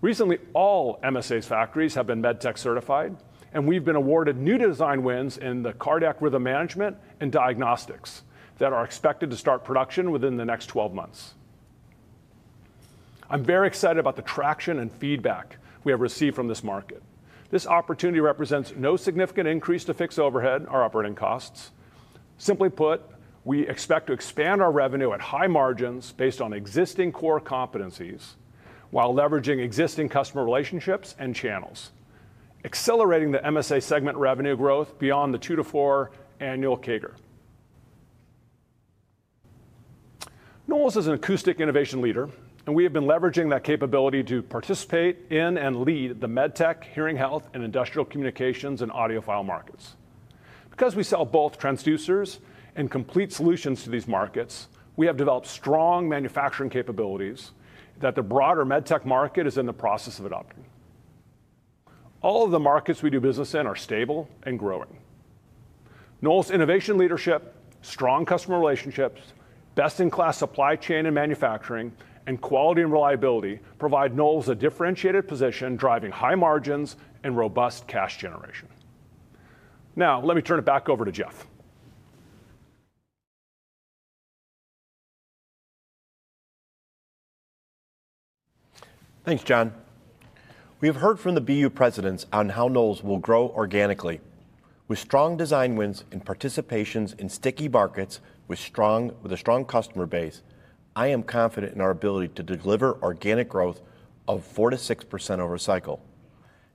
Recently, all MSA's factories have been medtech certified, and we've been awarded new design wins in the cardiac rhythm management and diagnostics that are expected to start production within the next 12 months. I'm very excited about the traction and feedback we have received from this market. This opportunity represents no significant increase to fixed overhead or operating costs. Simply put, we expect to expand our revenue at high margins based on existing core competencies while leveraging existing customer relationships and channels, accelerating the MSA segment revenue growth beyond the 2-4% annual CAGR. Knowles is an acoustic innovation leader, and we have been leveraging that capability to participate in and lead the medtech, hearing health, and industrial communications and audiophile markets. Because we sell both transducers and complete solutions to these markets, we have developed strong manufacturing capabilities that the broader medtech market is in the process of adopting. All of the markets we do business in are stable and growing. Knowles' innovation leadership, strong customer relationships, best-in-class supply chain and manufacturing, and quality and reliability provide Knowles a differentiated position, driving high margins and robust cash generation. Now, let me turn it back over to Jeff. Thanks, John. We have heard from the BU presidents on how Knowles will grow organically. With strong design wins and participations in sticky markets with a strong customer base, I am confident in our ability to deliver organic growth of 4-6% over a cycle.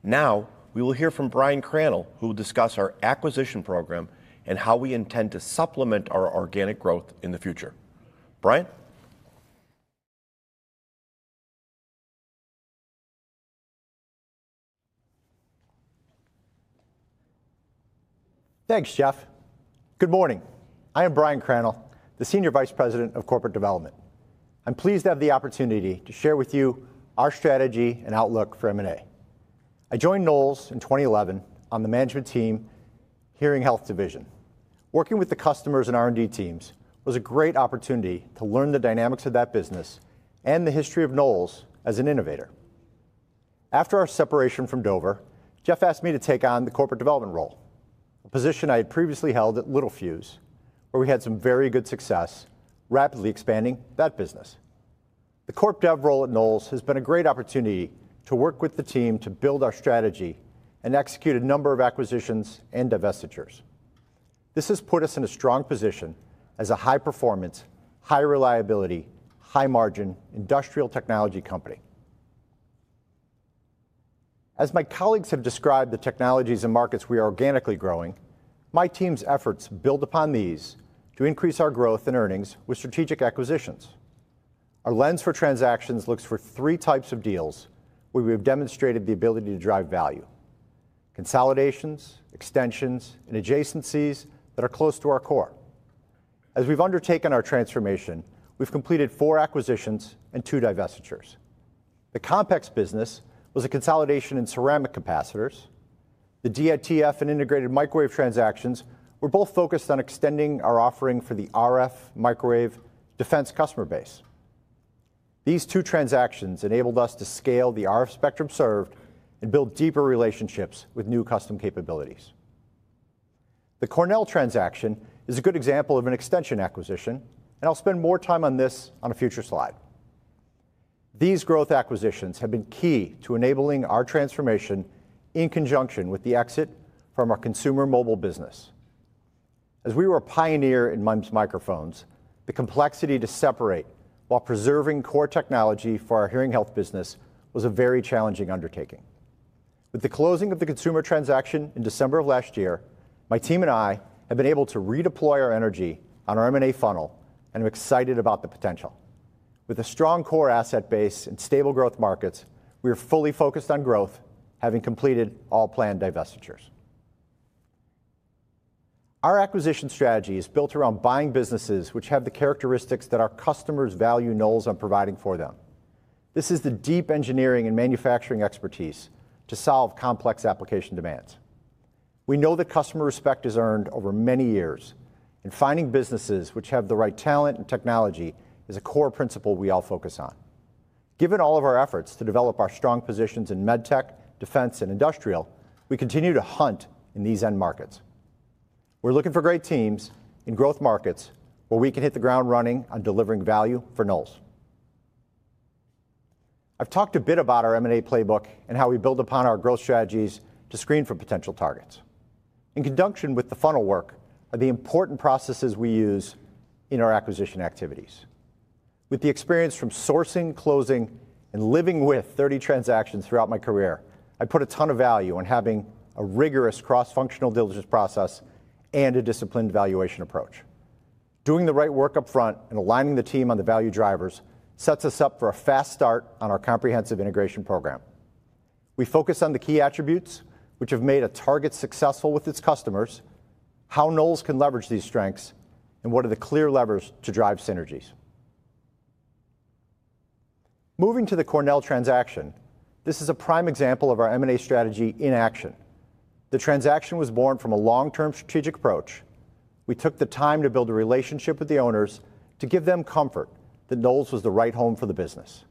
Now, we will hear from Brian Crannell, who will discuss our acquisition program and how we intend to supplement our organic growth in the future. Brian? Thanks, Jeff. Good morning. I am Brian Crannell, the Senior Vice President of Corporate Development. I'm pleased to have the opportunity to share with you our strategy and outlook for M&A. I joined Knowles in 2011 on the management team Hearing Health Division. Working with the customers and R&D teams was a great opportunity to learn the dynamics of that business and the history of Knowles as an innovator. After our separation from Dover, Jeff asked me to take on the corporate development role, a position I had previously held at Littelfuse, where we had some very good success rapidly expanding that business. The corp dev role at Knowles has been a great opportunity to work with the team to build our strategy and execute a number of acquisitions and divestitures. This has put us in a strong position as a high-performance, high-reliability, high-margin industrial technology company. As my colleagues have described the technologies and markets we are organically growing, my team's efforts build upon these to increase our growth and earnings with strategic acquisitions. Our lens for transactions looks for three types of deals where we have demonstrated the ability to drive value: consolidations, extensions, and adjacencies that are close to our core. As we've undertaken our transformation, we've completed four acquisitions and two divestitures. The Compex business was a consolidation in ceramic capacitors. The DITF and Integrated Microwave transactions were both focused on extending our offering for the RF microwave defense customer base. These two transactions enabled us to scale the RF spectrum served and build deeper relationships with new custom capabilities. The Cornell transaction is a good example of an extension acquisition, and I'll spend more time on this on a future slide. These growth acquisitions have been key to enabling our transformation in conjunction with the exit from our consumer mobile business. As we were a pioneer in MEMS microphones, the complexity to separate while preserving core technology for our hearing health business was a very challenging undertaking. With the closing of the consumer transaction in December of last year, my team and I have been able to redeploy our energy on our M&A funnel and are excited about the potential. With a strong core asset base and stable growth markets, we are fully focused on growth, having completed all planned divestitures. Our acquisition strategy is built around buying businesses which have the characteristics that our customers value Knowles on providing for them. This is the deep engineering and manufacturing expertise to solve complex application demands. We know that customer respect is earned over many years, and finding businesses which have the right talent and technology is a core principle we all focus on. Given all of our efforts to develop our strong positions in medtech, defense, and industrial, we continue to hunt in these end markets. We're looking for great teams in growth markets where we can hit the ground running on delivering value for Knowles. I've talked a bit about our M&A playbook and how we build upon our growth strategies to screen for potential targets. In conjunction with the funnel work are the important processes we use in our acquisition activities. With the experience from sourcing, closing, and living with 30 transactions throughout my career, I put a ton of value on having a rigorous cross-functional diligence process and a disciplined valuation approach. Doing the right work upfront and aligning the team on the value drivers sets us up for a fast start on our comprehensive integration program. We focus on the key attributes which have made a target successful with its customers, how Knowles can leverage these strengths, and what are the clear levers to drive synergies. Moving to the Cornell transaction, this is a prime example of our M&A strategy in action. The transaction was born from a long-term strategic approach. We took the time to build a relationship with the owners to give them comfort that Knowles was the right home for the business.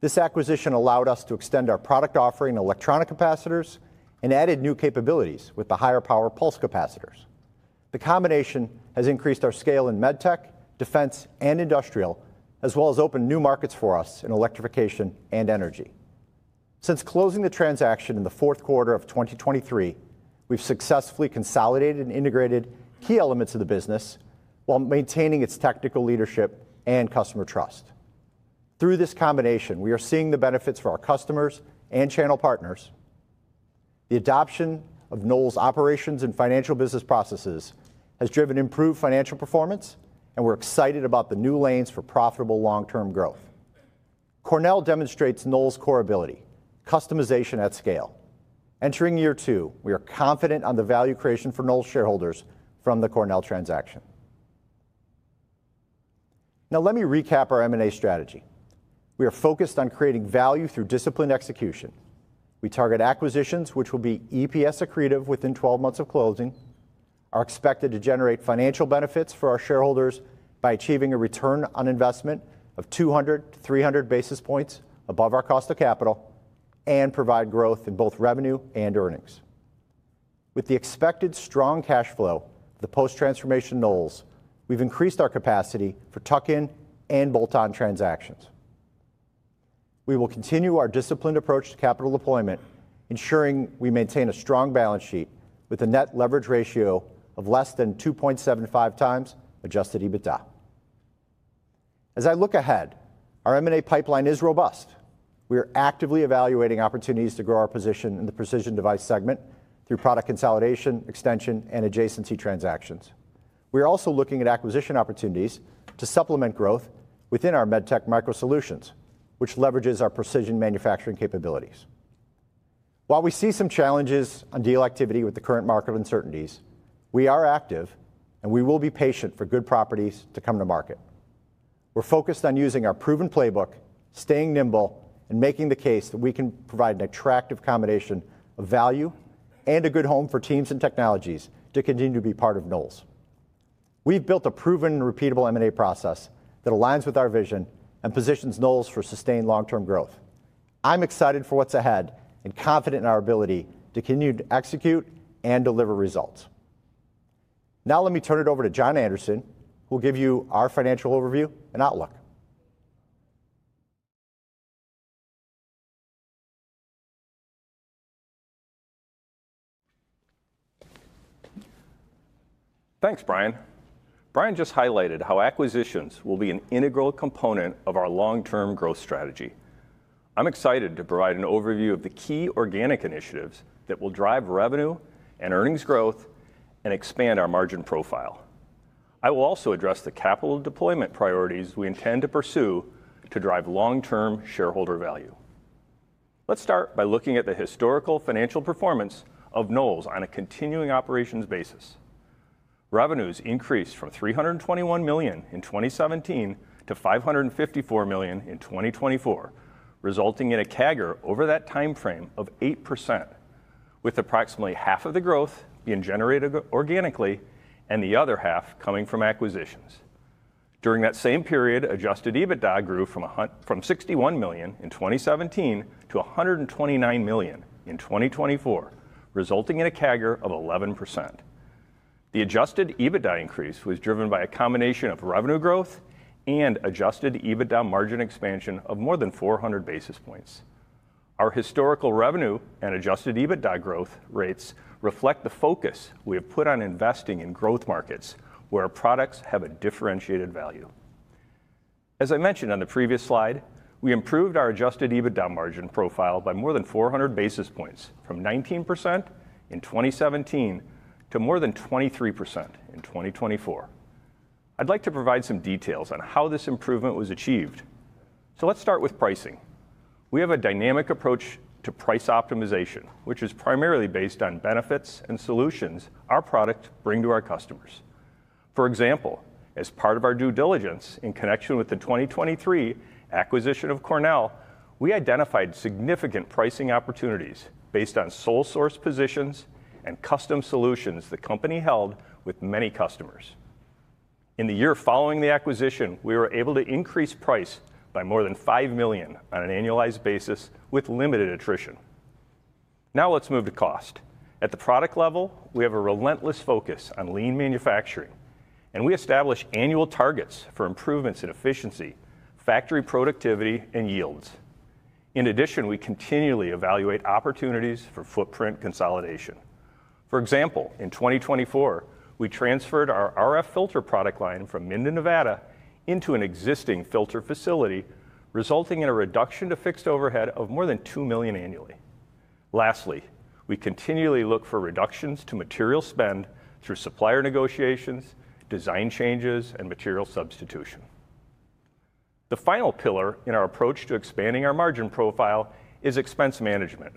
This acquisition allowed us to extend our product offering in electronic capacitors and added new capabilities with the higher power pulse capacitors. The combination has increased our scale in medtech, defense, and industrial, as well as opened new markets for us in electrification and energy. Since closing the transaction in the fourth quarter of 2023, we've successfully consolidated and integrated key elements of the business while maintaining its technical leadership and customer trust. Through this combination, we are seeing the benefits for our customers and channel partners. The adoption of Knowles' operations and financial business processes has driven improved financial performance, and we're excited about the new lanes for profitable long-term growth. Cornell demonstrates Knowles' core ability: customization at scale. Entering year two, we are confident on the value creation for Knowles' shareholders from the Cornell transaction. Now, let me recap our M&A strategy. We are focused on creating value through disciplined execution. We target acquisitions, which will be EPS accretive within 12 months of closing, are expected to generate financial benefits for our shareholders by achieving a return on investment of 200-300 basis points above our cost of capital and provide growth in both revenue and earnings. With the expected strong cash flow of the post-transformation Knowles, we've increased our capacity for tuck-in and bolt-on transactions. We will continue our disciplined approach to capital deployment, ensuring we maintain a strong balance sheet with a net leverage ratio of less than 2.75 times adjusted EBITDA. As I look ahead, our M&A pipeline is robust. We are actively evaluating opportunities to grow our position in the precision device segment through product consolidation, extension, and adjacency transactions. We are also looking at acquisition opportunities to supplement growth within our medtech micro solutions, which leverages our precision manufacturing capabilities. While we see some challenges on deal activity with the current market uncertainties, we are active, and we will be patient for good properties to come to market. We are focused on using our proven playbook, staying nimble, and making the case that we can provide an attractive combination of value and a good home for teams and technologies to continue to be part of Knowles. We have built a proven and repeatable M&A process that aligns with our vision and positions Knowles for sustained long-term growth. I am excited for what is ahead and confident in our ability to continue to execute and deliver results. Now, let me turn it over to John Anderson, who will give you our financial overview and outlook. Thanks, Brian. Brian just highlighted how acquisitions will be an integral component of our long-term growth strategy. I'm excited to provide an overview of the key organic initiatives that will drive revenue and earnings growth and expand our margin profile. I will also address the capital deployment priorities we intend to pursue to drive long-term shareholder value. Let's start by looking at the historical financial performance of Knowles on a continuing operations basis. Revenues increased from $321 million in 2017 to $554 million in 2024, resulting in a CAGR over that timeframe of 8%, with approximately half of the growth being generated organically and the other half coming from acquisitions. During that same period, adjusted EBITDA grew from $61 million in 2017 to $129 million in 2024, resulting in a CAGR of 11%. The adjusted EBITDA increase was driven by a combination of revenue growth and adjusted EBITDA margin expansion of more than 400 basis points. Our historical revenue and adjusted EBITDA growth rates reflect the focus we have put on investing in growth markets where our products have a differentiated value. As I mentioned on the previous slide, we improved our adjusted EBITDA margin profile by more than 400 basis points from 19% in 2017 to more than 23% in 2024. I'd like to provide some details on how this improvement was achieved. Let's start with pricing. We have a dynamic approach to price optimization, which is primarily based on benefits and solutions our product brings to our customers. For example, as part of our due diligence in connection with the 2023 acquisition of Cornell Dubilier Electronics, we identified significant pricing opportunities based on sole source positions and custom solutions the company held with many customers. In the year following the acquisition, we were able to increase price by more than $5 million on an annualized basis with limited attrition. Now, let's move to cost. At the product level, we have a relentless focus on lean manufacturing, and we establish annual targets for improvements in efficiency, factory productivity, and yields. In addition, we continually evaluate opportunities for footprint consolidation. For example, in 2024, we transferred our RF filter product line from Minden, Nevada, into an existing filter facility, resulting in a reduction to fixed overhead of more than $2 million annually. Lastly, we continually look for reductions to material spend through supplier negotiations, design changes, and material substitution. The final pillar in our approach to expanding our margin profile is expense management.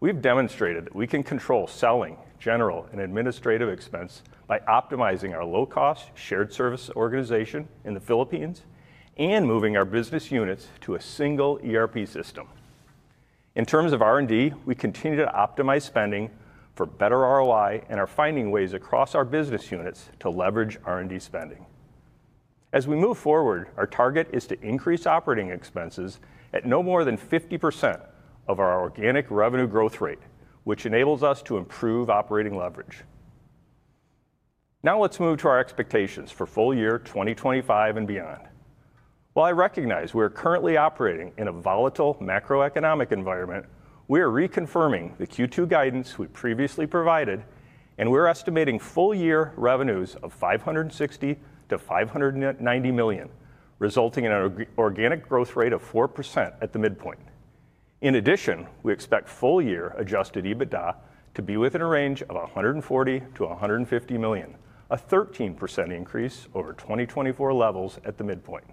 We've demonstrated that we can control selling, general, and administrative expense by optimizing our low-cost shared service organization in the Philippines and moving our business units to a single ERP system. In terms of R&D, we continue to optimize spending for better ROI and are finding ways across our business units to leverage R&D spending. As we move forward, our target is to increase operating expenses at no more than 50% of our organic revenue growth rate, which enables us to improve operating leverage. Now, let's move to our expectations for full year 2025 and beyond. While I recognize we are currently operating in a volatile macroeconomic environment, we are reconfirming the Q2 guidance we previously provided, and we're estimating full year revenues of $560 million-$590 million, resulting in an organic growth rate of 4% at the midpoint. In addition, we expect full year adjusted EBITDA to be within a range of $140 million-$150 million, a 13% increase over 2024 levels at the midpoint.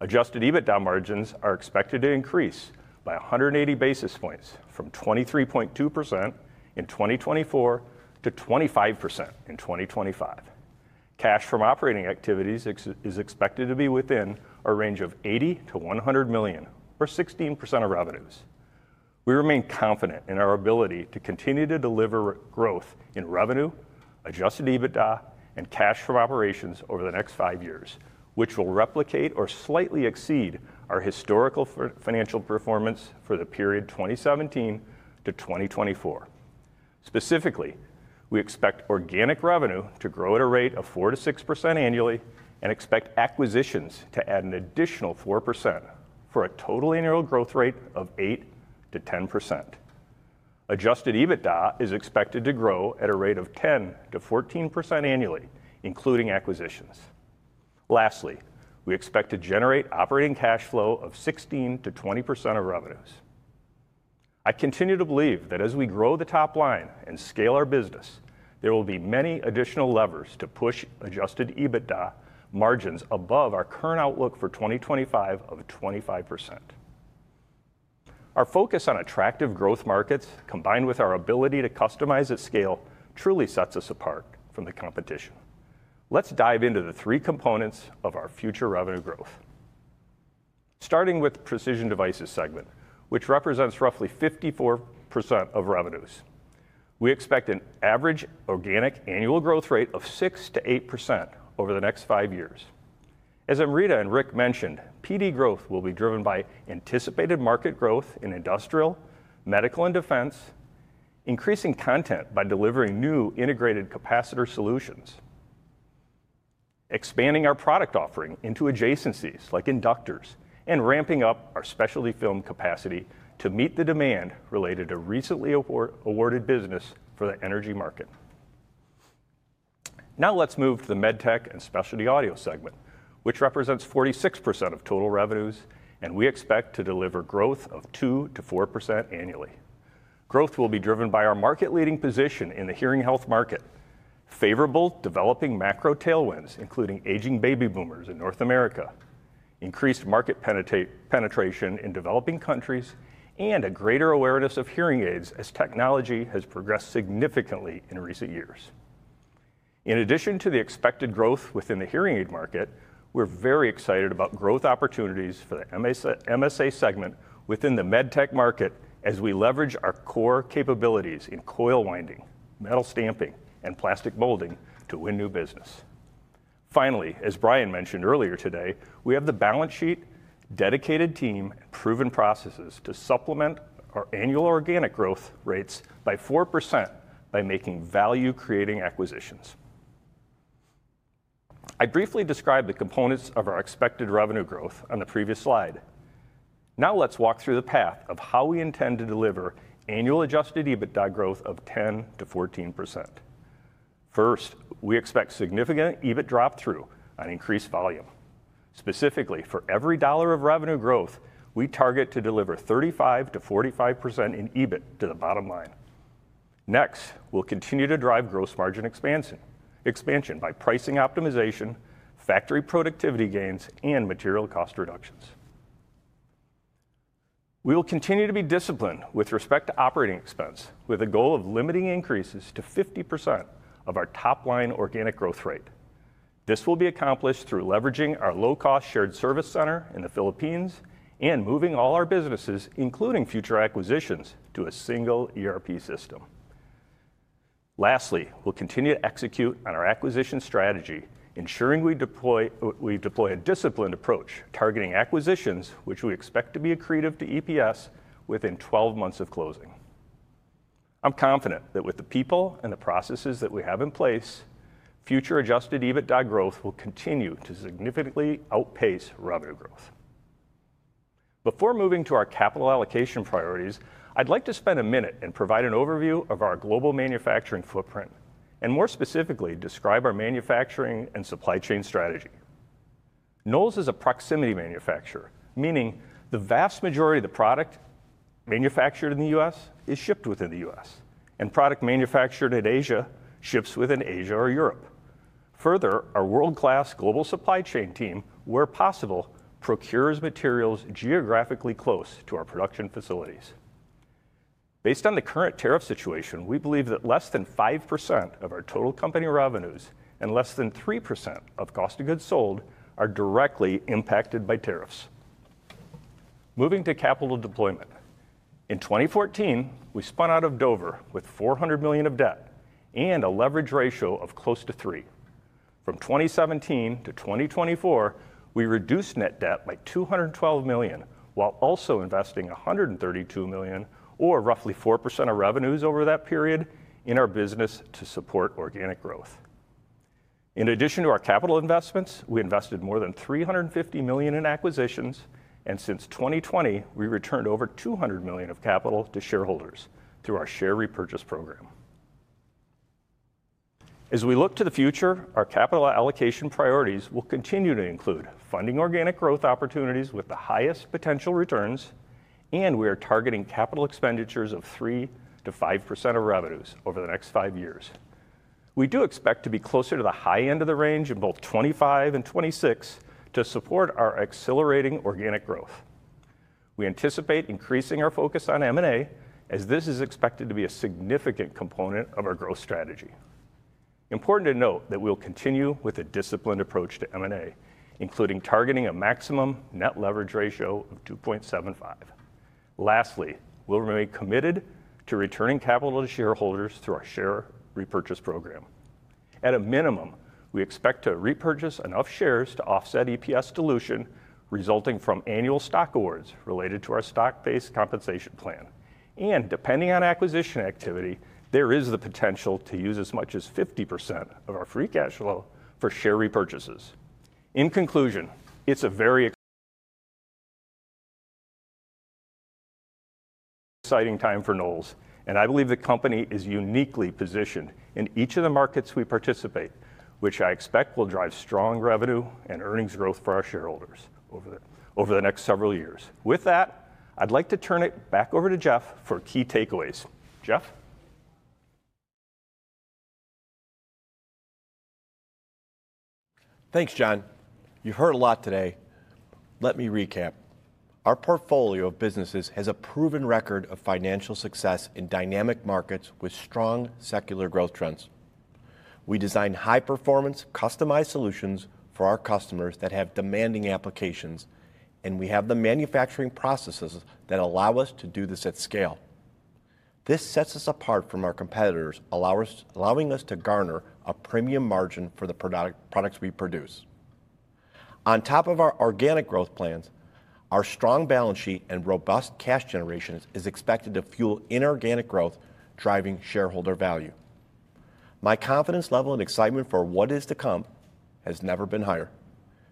Adjusted EBITDA margins are expected to increase by 180 basis points from 23.2% in 2024 to 25% in 2025. Cash from operating activities is expected to be within a range of $80 million-$100 million, or 16% of revenues. We remain confident in our ability to continue to deliver growth in revenue, adjusted EBITDA, and cash from operations over the next five years, which will replicate or slightly exceed our historical financial performance for the period 2017 to 2024. Specifically, we expect organic revenue to grow at a rate of 4-6% annually and expect acquisitions to add an additional 4% for a total annual growth rate of 8-10%. Adjusted EBITDA is expected to grow at a rate of 10-14% annually, including acquisitions. Lastly, we expect to generate operating cash flow of 16-20% of revenues. I continue to believe that as we grow the top line and scale our business, there will be many additional levers to push adjusted EBITDA margins above our current outlook for 2025 of 25%. Our focus on attractive growth markets, combined with our ability to customize at scale, truly sets us apart from the competition. Let's dive into the three components of our future revenue growth. Starting with the Precision Devices segment, which represents roughly 54% of revenues, we expect an average organic annual growth rate of 6-8% over the next five years. As Amrita and Rick mentioned, PD growth will be driven by anticipated market growth in industrial, medical, and defense, increasing content by delivering new integrated capacitor solutions, expanding our product offering into adjacencies like inductors, and ramping up our specialty film capacity to meet the demand related to recently awarded business for the energy market. Now, let's move to the MedTech and Specialty Audio segment, which represents 46% of total revenues, and we expect to deliver growth of 2-4% annually. Growth will be driven by our market-leading position in the hearing health market, favorable developing macro tailwinds, including aging baby boomers in North America, increased market penetration in developing countries, and a greater awareness of hearing aids as technology has progressed significantly in recent years. In addition to the expected growth within the hearing aid market, we're very excited about growth opportunities for the MSA segment within the medtech market as we leverage our core capabilities in coil winding, metal stamping, and plastic molding to win new business. Finally, as Brian mentioned earlier today, we have the balance sheet, dedicated team, and proven processes to supplement our annual organic growth rates by 4% by making value-creating acquisitions. I briefly described the components of our expected revenue growth on the previous slide. Now, let's walk through the path of how we intend to deliver annual adjusted EBITDA growth of 10-14%. First, we expect significant EBIT drop-through on increased volume. Specifically, for every dollar of revenue growth, we target to deliver 35-45% in EBIT to the bottom line. Next, we'll continue to drive gross margin expansion by pricing optimization, factory productivity gains, and material cost reductions. We will continue to be disciplined with respect to operating expense, with a goal of limiting increases to 50% of our top line organic growth rate. This will be accomplished through leveraging our low-cost shared service center in the Philippines and moving all our businesses, including future acquisitions, to a single ERP system. Lastly, we'll continue to execute on our acquisition strategy, ensuring we deploy a disciplined approach targeting acquisitions, which we expect to be accretive to EPS within 12 months of closing. I'm confident that with the people and the processes that we have in place, future adjusted EBITDA growth will continue to significantly outpace revenue growth. Before moving to our capital allocation priorities, I'd like to spend a minute and provide an overview of our global manufacturing footprint and, more specifically, describe our manufacturing and supply chain strategy. Knowles is a proximity manufacturer, meaning the vast majority of the product manufactured in the U.S. is shipped within the U.S., and product manufactured in Asia ships within Asia or Europe. Further, our world-class global supply chain team, where possible, procures materials geographically close to our production facilities. Based on the current tariff situation, we believe that less than 5% of our total company revenues and less than 3% of cost of goods sold are directly impacted by tariffs. Moving to capital deployment. In 2014, we spun out of Dover with $400 million of debt and a leverage ratio of close to 3. From 2017 to 2024, we reduced net debt by $212 million while also investing $132 million, or roughly 4% of revenues over that period, in our business to support organic growth. In addition to our capital investments, we invested more than $350 million in acquisitions, and since 2020, we returned over $200 million of capital to shareholders through our share repurchase program. As we look to the future, our capital allocation priorities will continue to include funding organic growth opportunities with the highest potential returns, and we are targeting capital expenditures of 3-5% of revenues over the next five years. We do expect to be closer to the high end of the range in both 2025 and 2026 to support our accelerating organic growth. We anticipate increasing our focus on M&A as this is expected to be a significant component of our growth strategy. Important to note that we'll continue with a disciplined approach to M&A, including targeting a maximum net leverage ratio of 2.75. Lastly, we'll remain committed to returning capital to shareholders through our share repurchase program. At a minimum, we expect to repurchase enough shares to offset EPS dilution resulting from annual stock awards related to our stock-based compensation plan. Depending on acquisition activity, there is the potential to use as much as 50% of our free cash flow for share repurchases. In conclusion, it's a very exciting time for Knowles, and I believe the company is uniquely positioned in each of the markets we participate, which I expect will drive strong revenue and earnings growth for our shareholders over the next several years. With that, I'd like to turn it back over to Jeff for key takeaways. Jeff? Thanks, John. You've heard a lot today. Let me recap. Our portfolio of businesses has a proven record of financial success in dynamic markets with strong secular growth trends. We design high-performance, customized solutions for our customers that have demanding applications, and we have the manufacturing processes that allow us to do this at scale. This sets us apart from our competitors, allowing us to garner a premium margin for the products we produce. On top of our organic growth plans, our strong balance sheet and robust cash generations are expected to fuel inorganic growth, driving shareholder value. My confidence level and excitement for what is to come has never been higher.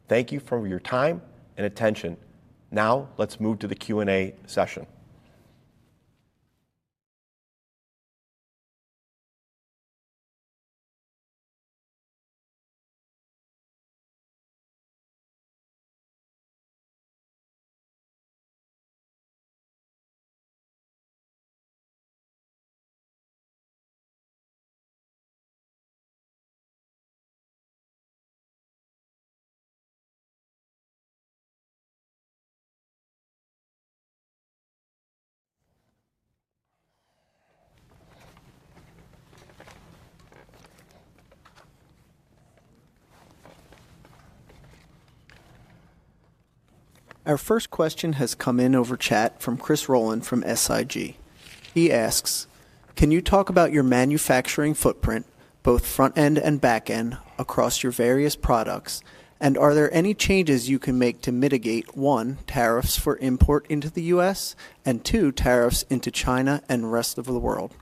Thank you for your time and attention. Now, let's move to the Q&A session. Our first question has come in over chat from Chris Roland from SIG. He asks, "Can you talk about your manufacturing footprint, both front end and back end, across your various products, and are there any changes you can make to mitigate, one, tariffs for import into the US, and two, tariffs into China and the rest of the world?"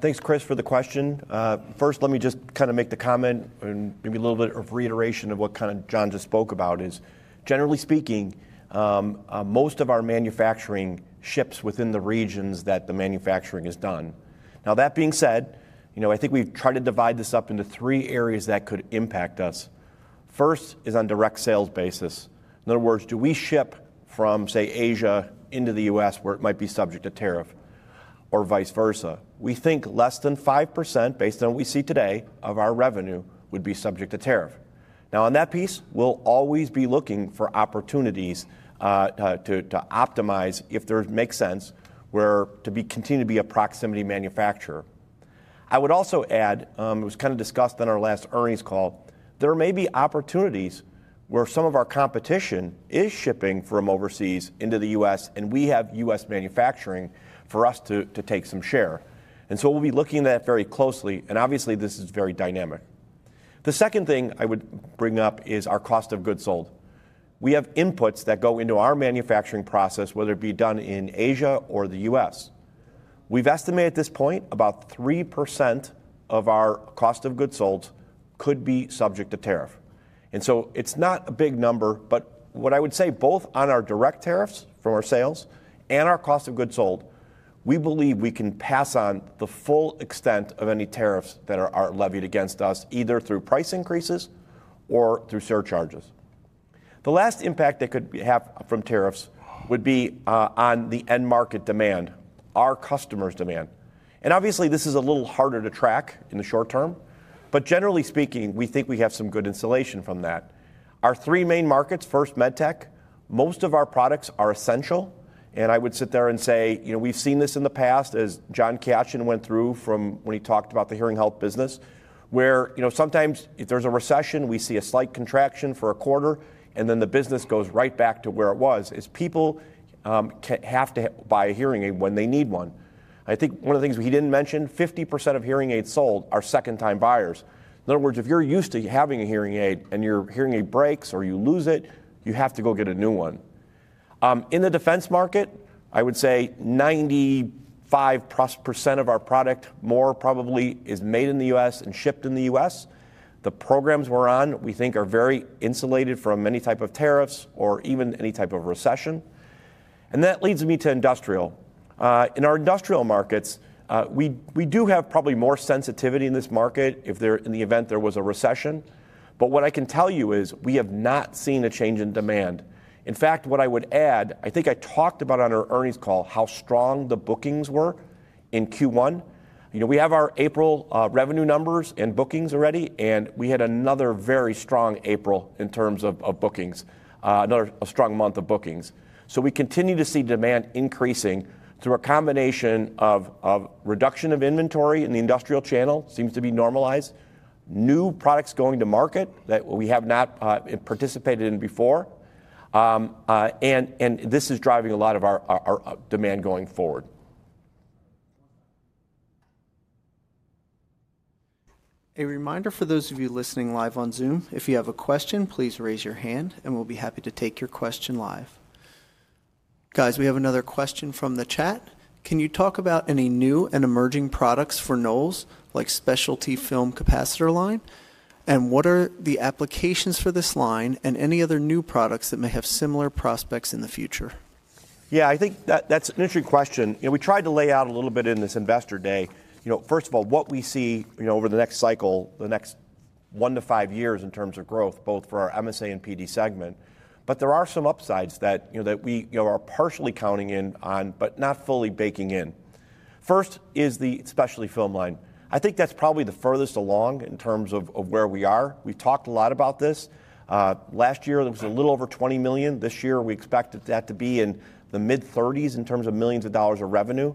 Thanks, Chris, for the question. First, let me just kind of make the comment and maybe a little bit of reiteration of what kind of John just spoke about. Generally speaking, most of our manufacturing ships within the regions that the manufacturing is done. Now, that being said, I think we've tried to divide this up into three areas that could impact us. First is on direct sales basis. In other words, do we ship from, say, Asia into the U.S. where it might be subject to tariff or vice versa? We think less than 5%, based on what we see today, of our revenue would be subject to tariff. Now, on that piece, we'll always be looking for opportunities to optimize if it makes sense to continue to be a proximity manufacturer. I would also add, it was kind of discussed on our last earnings call, there may be opportunities where some of our competition is shipping from overseas into the U.S., and we have U.S. manufacturing for us to take some share. We will be looking at that very closely, and obviously, this is very dynamic. The second thing I would bring up is our cost of goods sold. We have inputs that go into our manufacturing process, whether it be done in Asia or the U.S. We've estimated at this point about 3% of our cost of goods sold could be subject to tariff. It's not a big number, but what I would say, both on our direct tariffs from our sales and our cost of goods sold, we believe we can pass on the full extent of any tariffs that are levied against us, either through price increases or through surcharges. The last impact that could be had from tariffs would be on the end market demand, our customers' demand. Obviously, this is a little harder to track in the short term, but generally speaking, we think we have some good insulation from that. Our three main markets, first medtech, most of our products are essential, and I would sit there and say, we've seen this in the past, as John Kiachian went through when he talked about the hearing health business, where sometimes if there's a recession, we see a slight contraction for a quarter, and then the business goes right back to where it was, as people have to buy a hearing aid when they need one. I think one of the things he didn't mention, 50% of hearing aids sold are second-time buyers. In other words, if you're used to having a hearing aid and your hearing aid breaks or you lose it, you have to go get a new one. In the defense market, I would say 95% of our product more probably is made in the U.S. and shipped in the U.S. The programs we're on, we think, are very insulated from any type of tariffs or even any type of recession. That leads me to industrial. In our industrial markets, we do have probably more sensitivity in this market if in the event there was a recession, but what I can tell you is we have not seen a change in demand. In fact, what I would add, I think I talked about on our earnings call how strong the bookings were in Q1. We have our April revenue numbers and bookings already, and we had another very strong April in terms of bookings, a strong month of bookings. We continue to see demand increasing through a combination of reduction of inventory in the industrial channel, which seems to be normalized, new products going to market that we have not participated in before, and this is driving a lot of our demand going forward. A reminder for those of you listening live on Zoom, if you have a question, please raise your hand, and we will be happy to take your question live. Guys, we have another question from the chat. "Can you talk about any new and emerging products for Knowles, like the specialty film capacitor line, and what are the applications for this line and any other new products that may have similar prospects in the future?" I think that is an interesting question. We tried to lay out a little bit in this investor day. First of all, what we see over the next cycle, the next one to five years in terms of growth, both for our MSA and PD segment, but there are some upsides that we are partially counting in on, but not fully baking in. First is the specialty film line. I think that's probably the furthest along in terms of where we are. We've talked a lot about this. Last year, it was a little over $20 million. This year, we expect that to be in the mid-$30 million in terms of millions of dollars of revenue.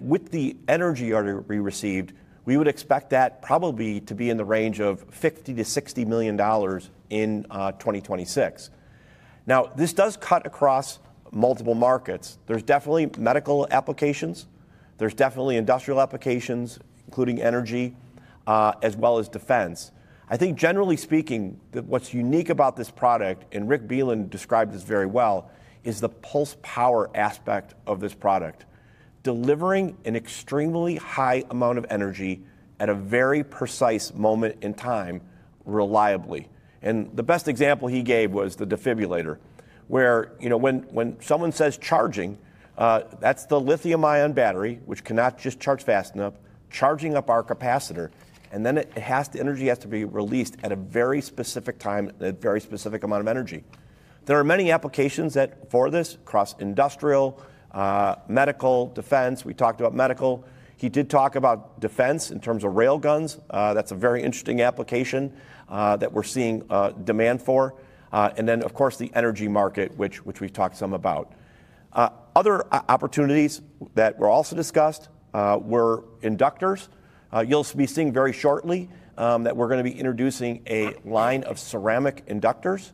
With the energy we received, we would expect that probably to be in the range of $50-$60 million in 2026. This does cut across multiple markets. There's definitely medical applications. There's definitely industrial applications, including energy, as well as defense. I think, generally speaking, what's unique about this product, and Rick Bielan described this very well, is the pulse power aspect of this product, delivering an extremely high amount of energy at a very precise moment in time reliably. The best example he gave was the defibrillator, where when someone says charging, that's the lithium-ion battery, which cannot just charge fast enough, charging up our capacitor, and then the energy has to be released at a very specific time and a very specific amount of energy. There are many applications for this across industrial, medical, defense. We talked about medical. He did talk about defense in terms of rail guns. That's a very interesting application that we're seeing demand for. Of course, the energy market, which we've talked some about. Other opportunities that were also discussed were inductors. You'll be seeing very shortly that we're going to be introducing a line of ceramic inductors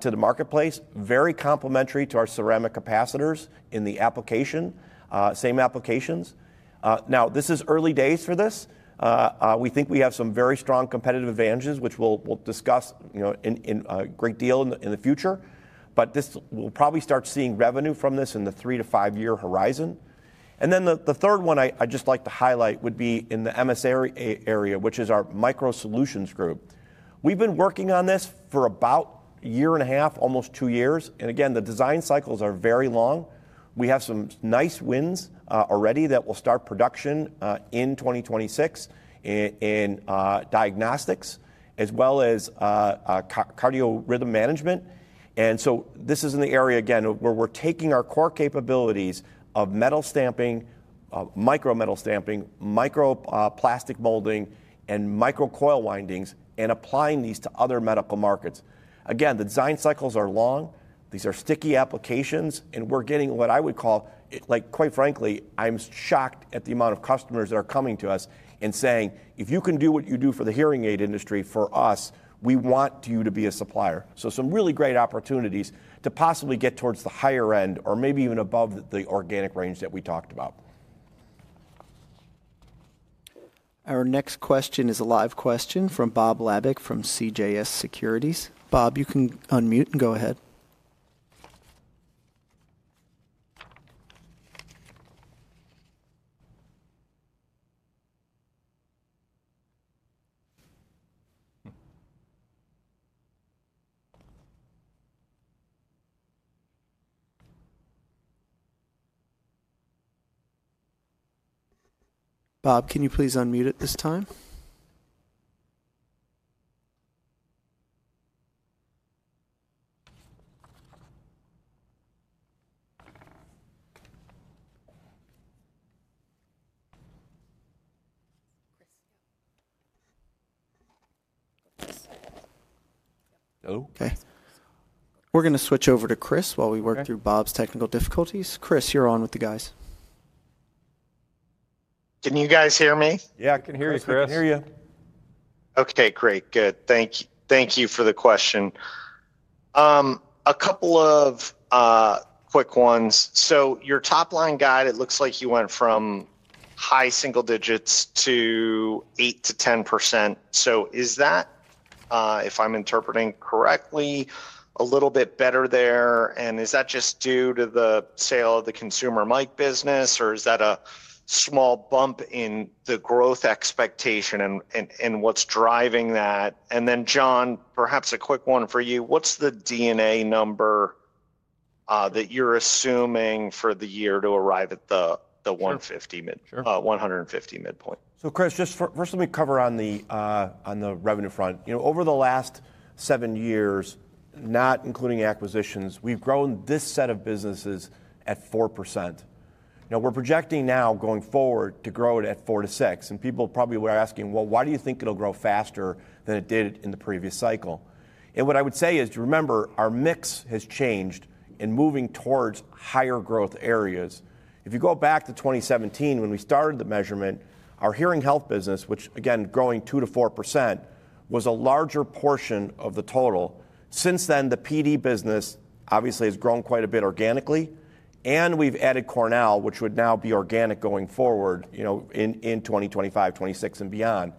to the marketplace, very complementary to our ceramic capacitors in the application, same applications. Now, this is early days for this. We think we have some very strong competitive advantages, which we'll discuss a great deal in the future, but we'll probably start seeing revenue from this in the three- to five-year horizon. The third one I'd just like to highlight would be in the MSA area, which is our micro solutions group. We've been working on this for about a year and a half, almost two years. Again, the design cycles are very long. We have some nice wins already that will start production in 2026 in diagnostics, as well as cardio rhythm management. This is in the area, again, where we're taking our core capabilities of metal stamping, micro metal stamping, micro plastic molding, and micro coil windings, and applying these to other medical markets. Again, the design cycles are long. These are sticky applications, and we're getting what I would call, quite frankly, I'm shocked at the amount of customers that are coming to us and saying, "If you can do what you do for the hearing aid industry for us, we want you to be a supplier." Some really great opportunities to possibly get towards the higher end or maybe even above the organic range that we talked about. Our next question is a live question from Bob Labick from CJS Securities. Bob, you can unmute and go ahead. Bob, can you please unmute at this time? Okay. We're going to switch over to Chris while we work through Bob's technical difficulties. Chris, you're on with the guys. Can you guys hear me? Yeah, I can hear you, Chris. I can hear you. Okay, great. Good. Thank you for the question. A couple of quick ones. Your top line guide, it looks like you went from high single digits to 8-10%. Is that, if I'm interpreting correctly, a little bit better there? Is that just due to the sale of the consumer mic business, or is that a small bump in the growth expectation and what's driving that? John, perhaps a quick one for you. What's the DNA number that you're assuming for the year to arrive at the $150 million midpoint? Sure. Chris, just first, let me cover on the revenue front. Over the last seven years, not including acquisitions, we've grown this set of businesses at 4%. Now, we're projecting now going forward to grow it at 4-6%. People probably were asking, "Well, why do you think it'll grow faster than it did in the previous cycle?" What I would say is, remember, our mix has changed and moving towards higher growth areas. If you go back to 2017, when we started the measurement, our hearing health business, which, again, growing 2-4%, was a larger portion of the total. Since then, the PD business obviously has grown quite a bit organically, and we've added Cornell, which would now be organic going forward in 2025, 2026, and beyond.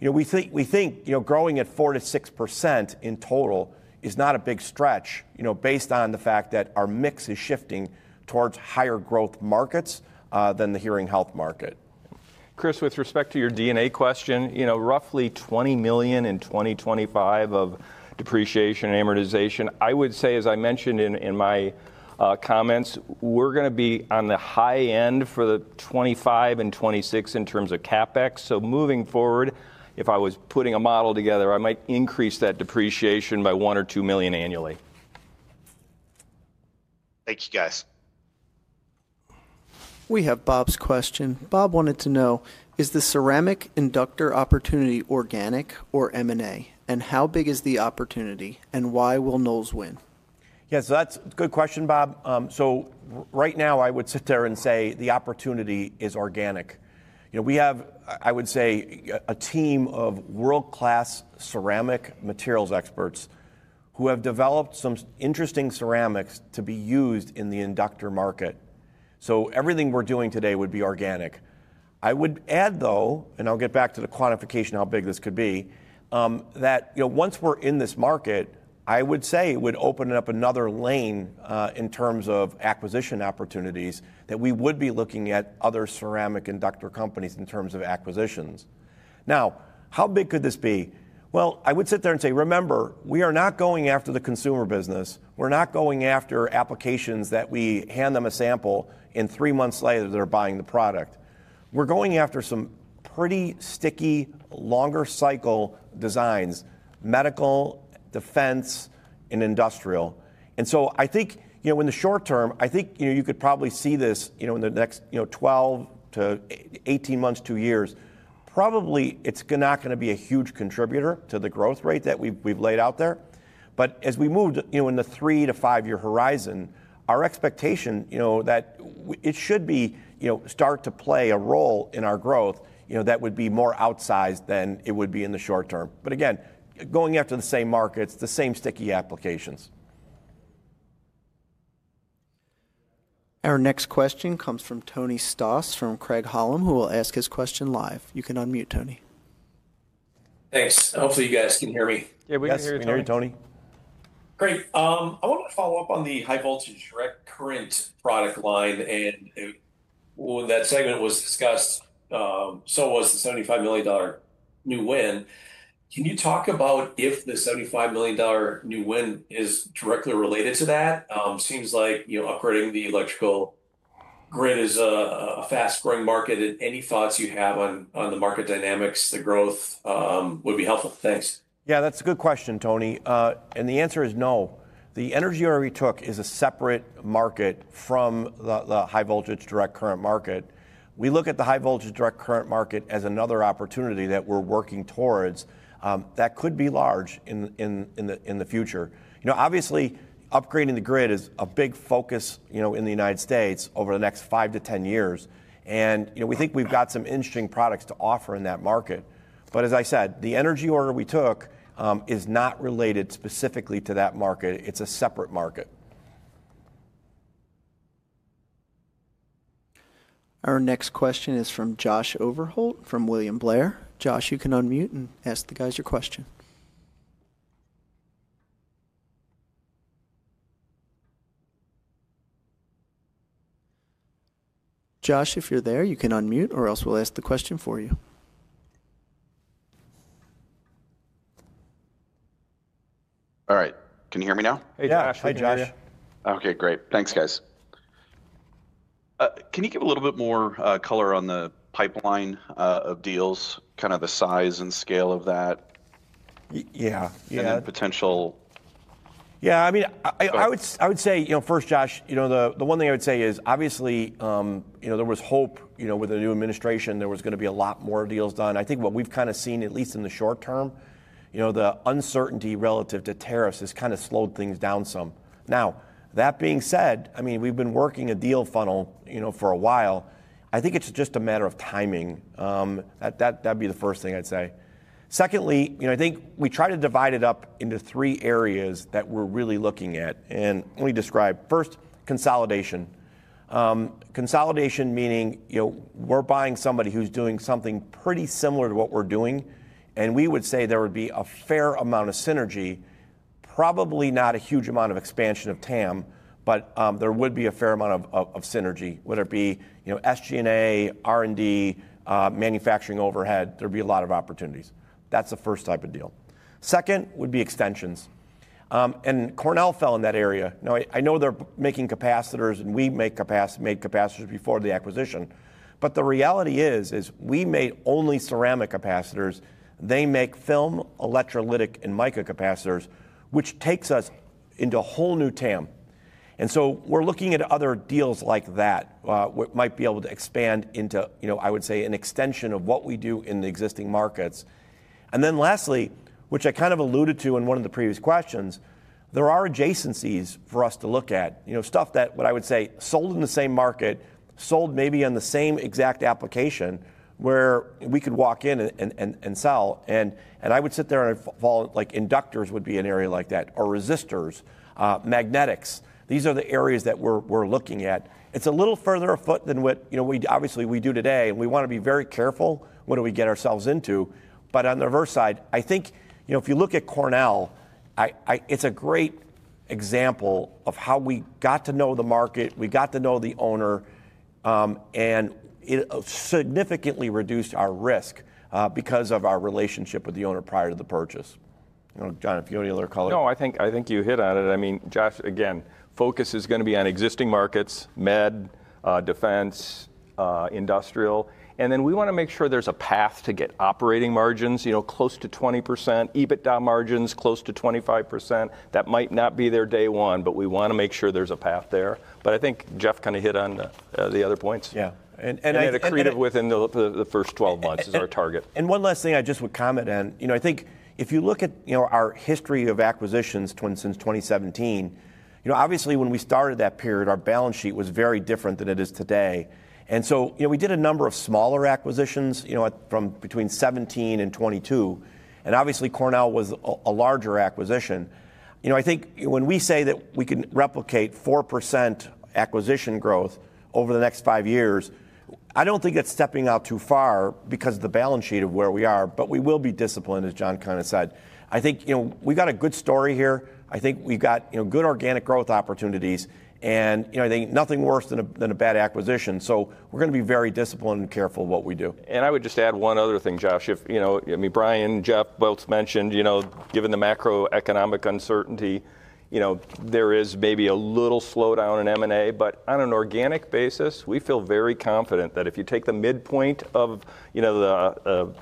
We think growing at 4-6% in total is not a big stretch based on the fact that our mix is shifting towards higher growth markets than the hearing health market. Chris, with respect to your DNA question, roughly $20 million in 2025 of depreciation and amortization. I would say, as I mentioned in my comments, we're going to be on the high end for 2025 and 2026 in terms of CapEx. Moving forward, if I was putting a model together, I might increase that depreciation by $1 million or $2 million annually. Thank you, guys. We have Bob's question. Bob wanted to know, is the ceramic inductor opportunity organic or M&A, and how big is the opportunity, and why will Knowles win? Yeah, that's a good question, Bob. Right now, I would sit there and say the opportunity is organic. We have, I would say, a team of world-class ceramic materials experts who have developed some interesting ceramics to be used in the inductor market. Everything we're doing today would be organic. I would add, though, and I'll get back to the quantification, how big this could be, that once we're in this market, I would say it would open up another lane in terms of acquisition opportunities that we would be looking at other ceramic inductor companies in terms of acquisitions. How big could this be? I would sit there and say, remember, we are not going after the consumer business. We're not going after applications that we hand them a sample and three months later, they're buying the product. We're going after some pretty sticky, longer cycle designs, medical, defense, and industrial. I think in the short term, I think you could probably see this in the next 12-18 months, two years. Probably it's not going to be a huge contributor to the growth rate that we've laid out there. As we move in the three to five-year horizon, our expectation is that it should start to play a role in our growth that would be more outsized than it would be in the short term. Again, going after the same markets, the same sticky applications. Our next question comes from Tony Stoss from Craig Hallum, who will ask his question live. You can unmute, Tony. Thanks. Hopefully, you guys can hear me. Yeah, we can hear you now. Can you hear me, Tony? Great. I wanted to follow up on the high voltage direct current product line. When that segment was discussed, so was the $75 million new win. Can you talk about if the $75 million new win is directly related to that? Seems like upgrading the electrical grid is a fast-growing market. Any thoughts you have on the market dynamics, the growth would be helpful. Thanks. Yeah, that's a good question, Tony. The answer is no. The energy order we already took is a separate market from the high voltage direct current market. We look at the high voltage direct current market as another opportunity that we're working towards that could be large in the future. Obviously, upgrading the grid is a big focus in the United States over the next 5 to 10 years. We think we've got some interesting products to offer in that market. As I said, the energy order we took is not related specifically to that market. It's a separate market. Our next question is from Josh Overholt from William Blair. Josh, you can unmute and ask the guys your question. Josh, if you're there, you can unmute, or else we'll ask the question for you. All right. Can you hear me now? Hey, Josh. Hi, Josh. Okay, great. Thanks, guys. Can you give a little bit more color on the pipeline of deals, kind of the size and scale of that? Yeah. And the potential. Yeah, I mean, I would say first, Josh, the one thing I would say is obviously there was hope with the new administration, there was going to be a lot more deals done. I think what we've kind of seen, at least in the short term, the uncertainty relative to tariffs has kind of slowed things down some. Now, that being said, I mean, we've been working a deal funnel for a while. I think it's just a matter of timing. That'd be the first thing I'd say. Secondly, I think we try to divide it up into three areas that we're really looking at and let me describe. First, consolidation. Consolidation meaning we're buying somebody who's doing something pretty similar to what we're doing. We would say there would be a fair amount of synergy, probably not a huge amount of expansion of TAM, but there would be a fair amount of synergy, whether it be SG&A, R&D, manufacturing overhead. There'd be a lot of opportunities. That's the first type of deal. Second would be extensions. Cornell fell in that area. Now, I know they're making capacitors, and we made capacitors before the acquisition. The reality is we made only ceramic capacitors. They make film, electrolytic, and micro capacitors, which takes us into a whole new TAM. We are looking at other deals like that. We might be able to expand into, I would say, an extension of what we do in the existing markets. Lastly, which I kind of alluded to in one of the previous questions, there are adjacencies for us to look at, stuff that, what I would say, sold in the same market, sold maybe on the same exact application where we could walk in and sell. I would sit there and follow inductors would be an area like that, or resistors, magnetics. These are the areas that we are looking at. It is a little further afoot than what obviously we do today. We want to be very careful what do we get ourselves into. On the reverse side, I think if you look at Cornell, it's a great example of how we got to know the market, we got to know the owner, and it significantly reduced our risk because of our relationship with the owner prior to the purchase. John, if you want to color it. No, I think you hit on it. I mean, Josh, again, focus is going to be on existing markets, med, defense, industrial. We want to make sure there's a path to get operating margins close to 20%, EBITDA margins close to 25%. That might not be there day one, but we want to make sure there's a path there. I think Jeff kind of hit on the other points. Yeah. I think accretive within the first 12 months is our target. One last thing I just would comment on. I think if you look at our history of acquisitions since 2017, obviously when we started that period, our balance sheet was very different than it is today. We did a number of smaller acquisitions from between 2017 and 2022. Obviously, Cornell was a larger acquisition. I think when we say that we can replicate 4% acquisition growth over the next five years, I do not think that is stepping out too far because of the balance sheet of where we are. We will be disciplined, as John kind of said. I think we have got a good story here. I think we have got good organic growth opportunities. I think nothing is worse than a bad acquisition. We are going to be very disciplined and careful what we do. I would just add one other thing, Josh. I mean, Brian and Jeff both mentioned, given the macroeconomic uncertainty, there is maybe a little slowdown in M&A. But on an organic basis, we feel very confident that if you take the midpoint of the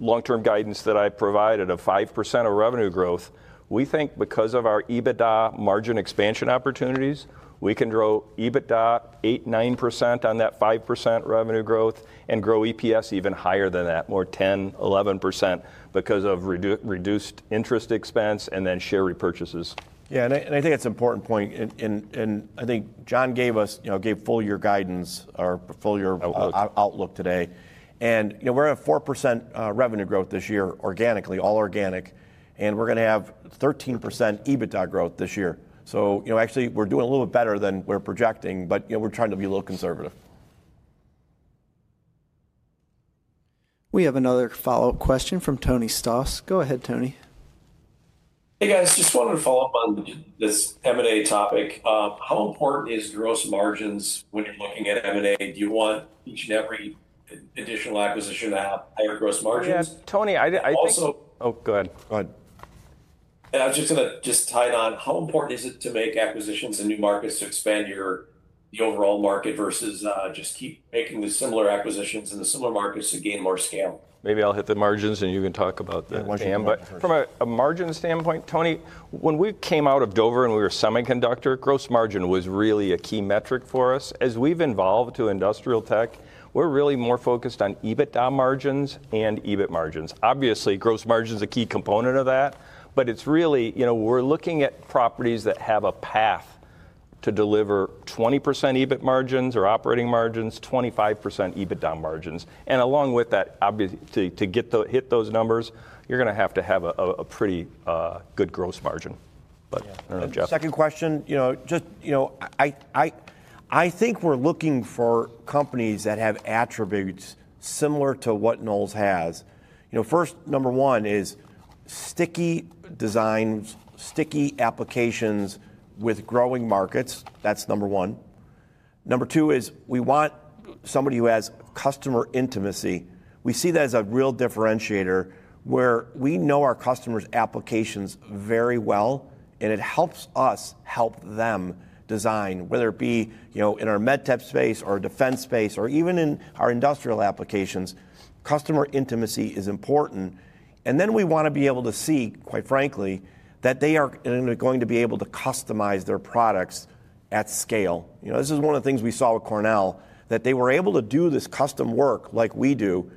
long-term guidance that I provided of 5% of revenue growth, we think because of our EBITDA margin expansion opportunities, we can grow EBITDA 8-9% on that 5% revenue growth and grow EPS even higher than that, more 10-11% because of reduced interest expense and then share repurchases. Yeah. I think that's an important point. I think John gave us, gave full year guidance, our full year outlook today. We're at 4% revenue growth this year, organically, all organic. We're going to have 13% EBITDA growth this year. Actually, we're doing a little bit better than we're projecting, but we're trying to be a little conservative. We have another follow-up question from Tony Stoss. Go ahead, Tony. Hey, guys. Just wanted to follow up on this M&A topic. How important is gross margins when you're looking at M&A? Do you want each and every additional acquisition to have higher gross margins? Yeah. Tony, I think. Oh, go ahead. I was just going to just tie it on. How important is it to make acquisitions in new markets to expand your overall market versus just keep making the similar acquisitions in the similar markets to gain more scale? Maybe I'll hit the margins and you can talk about the TAM. From a margin standpoint, Tony, when we came out of Dover and we were semiconductor, gross margin was really a key metric for us. As we've evolved to industrial tech, we're really more focused on EBITDA margins and EBIT margins. Obviously, gross margin is a key component of that. It is really we are looking at properties that have a path to deliver 20% EBIT margins or operating margins, 25% EBITDA margins. Along with that, obviously, to hit those numbers, you are going to have to have a pretty good gross margin. I do not know, Jeff. Second question. I think we are looking for companies that have attributes similar to what Knowles has. First, number one is sticky designs, sticky applications with growing markets. That is number one. Number two is we want somebody who has customer intimacy. We see that as a real differentiator where we know our customers' applications very well, and it helps us help them design, whether it be in our medtech space or defense space or even in our industrial applications. Customer intimacy is important. We want to be able to see, quite frankly, that they are going to be able to customize their products at scale. This is one of the things we saw with Cornell Dubilier Electronics, that they were able to do this custom work like we do,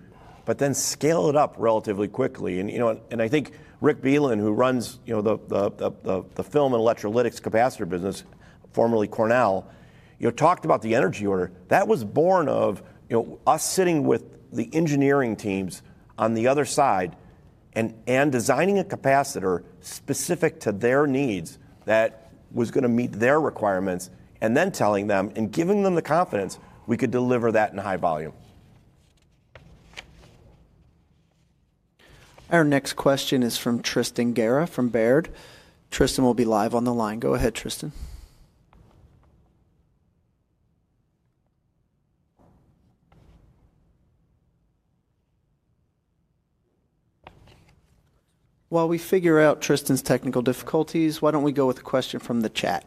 but then scale it up relatively quickly. I think Rick Bielan, who runs the film and electrolytic capacitors business, formerly Cornell Dubilier Electronics, talked about the energy order. That was born of us sitting with the engineering teams on the other side and designing a capacitor specific to their needs that was going to meet their requirements, and then telling them and giving them the confidence we could deliver that in high volume. Our next question is from Tristan Gara from Baird. Tristan will be live on the line. Go ahead, Tristan. While we figure out Tristan's technical difficulties, why don't we go with a question from the chat?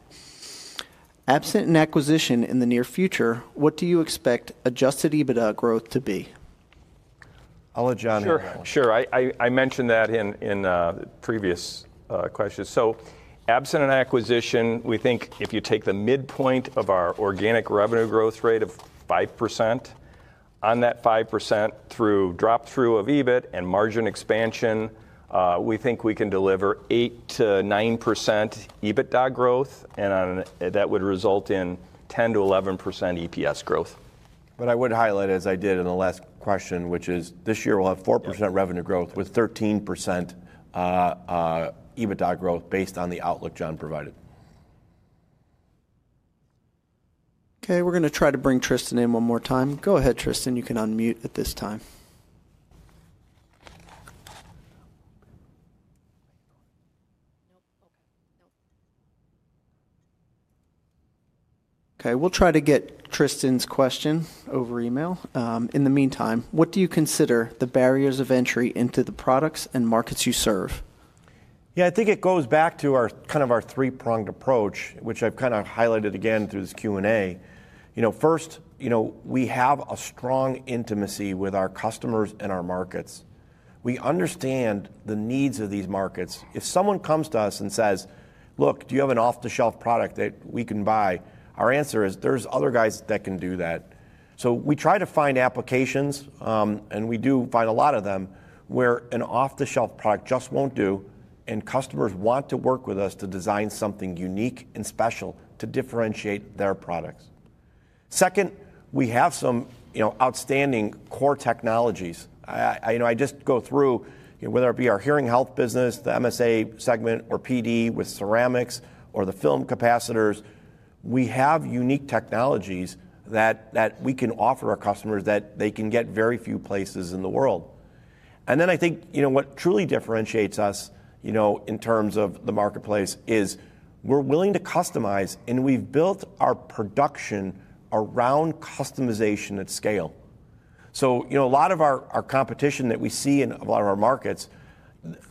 Absent an acquisition in the near future, what do you expect adjusted EBITDA growth to be? I'll let John answer. Sure. I mentioned that in previous questions. Absent an acquisition, we think if you take the midpoint of our organic revenue growth rate of 5%, on that 5% through drop-through of EBIT and margin expansion, we think we can deliver 8-9% EBITDA growth. That would result in 10-11% EPS growth. I would highlight, as I did in the last question, which is this year we'll have 4% revenue growth with 13% EBITDA growth based on the outlook John provided. Okay. We're going to try to bring Tristan in one more time. Go ahead, Tristan. You can unmute at this time. Okay. We'll try to get Tristan's question over email. In the meantime, what do you consider the barriers of entry into the products and markets you serve? Yeah, I think it goes back to kind of our three-pronged approach, which I've kind of highlighted again through this Q&A. First, we have a strong intimacy with our customers and our markets. We understand the needs of these markets. If someone comes to us and says, "Look, do you have an off-the-shelf product that we can buy?" our answer is there's other guys that can do that. We try to find applications, and we do find a lot of them, where an off-the-shelf product just won't do. Customers want to work with us to design something unique and special to differentiate their products. Second, we have some outstanding core technologies. I just go through whether it be our hearing health business, the MSA segment, or PD with ceramics, or the film capacitors. We have unique technologies that we can offer our customers that they can get very few places in the world. I think what truly differentiates us in terms of the marketplace is we're willing to customize, and we've built our production around customization at scale. A lot of our competition that we see in a lot of our markets,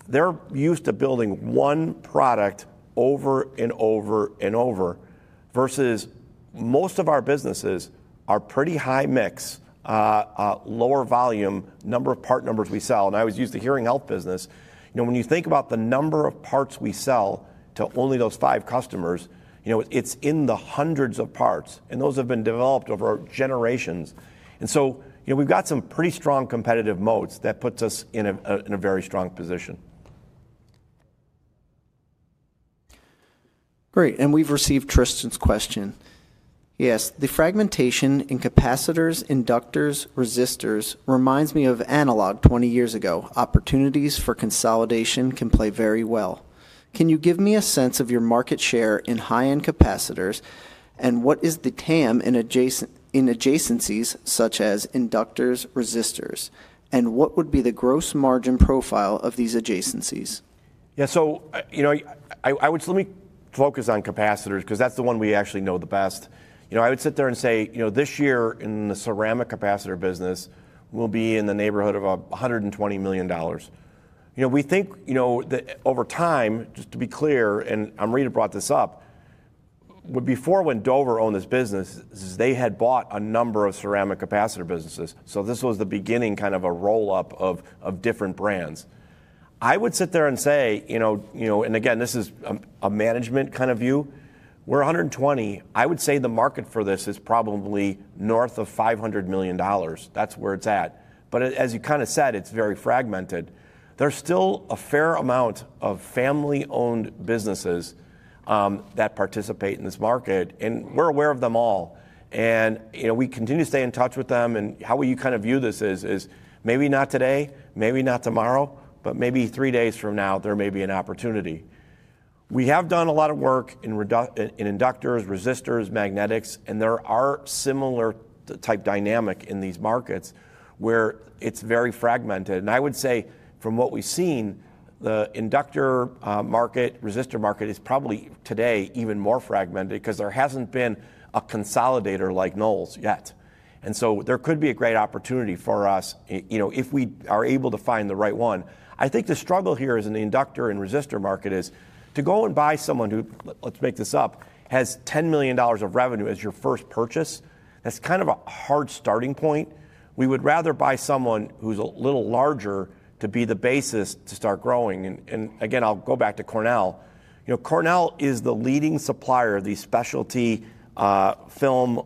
they're used to building one product over and over and over versus most of our businesses are pretty high mix, lower volume, number of part numbers we sell. I was used to hearing health business. When you think about the number of parts we sell to only those five customers, it's in the hundreds of parts. Those have been developed over generations. We have some pretty strong competitive moats that put us in a very strong position. Great. We have received Tristan's question. He asked, "The fragmentation in capacitors, inductors, resistors reminds me of analog 20 years ago. Opportunities for consolidation can play very well. Can you give me a sense of your market share in high-end capacitors and what is the TAM in adjacencies such as inductors, resistors? And what would be the gross margin profile of these adjacencies?" Yeah. Let me focus on capacitors because that is the one we actually know the best. I would sit there and say, "This year in the ceramic capacitor business, we will be in the neighborhood of $120 million." We think over time, just to be clear, and Amrita brought this up, before when Dover owned this business, they had bought a number of ceramic capacitor businesses. This was the beginning, kind of a roll-up of different brands. I would sit there and say, and again, this is a management kind of view, we're 120. I would say the market for this is probably north of $500 million. That's where it's at. As you kind of said, it's very fragmented. There's still a fair amount of family-owned businesses that participate in this market. We're aware of them all. We continue to stay in touch with them. How we kind of view this is maybe not today, maybe not tomorrow, but maybe three days from now, there may be an opportunity. We have done a lot of work in inductors, resistors, magnetics, and there are similar type dynamic in these markets where it's very fragmented. I would say from what we've seen, the inductor market, resistor market is probably today even more fragmented because there hasn't been a consolidator like Knowles yet. There could be a great opportunity for us if we are able to find the right one. I think the struggle here is in the inductor and resistor market is to go and buy someone who, let's make this up, has $10 million of revenue as your first purchase. That's kind of a hard starting point. We would rather buy someone who's a little larger to be the basis to start growing. I will go back to Cornell. Cornell is the leading supplier of these specialty film,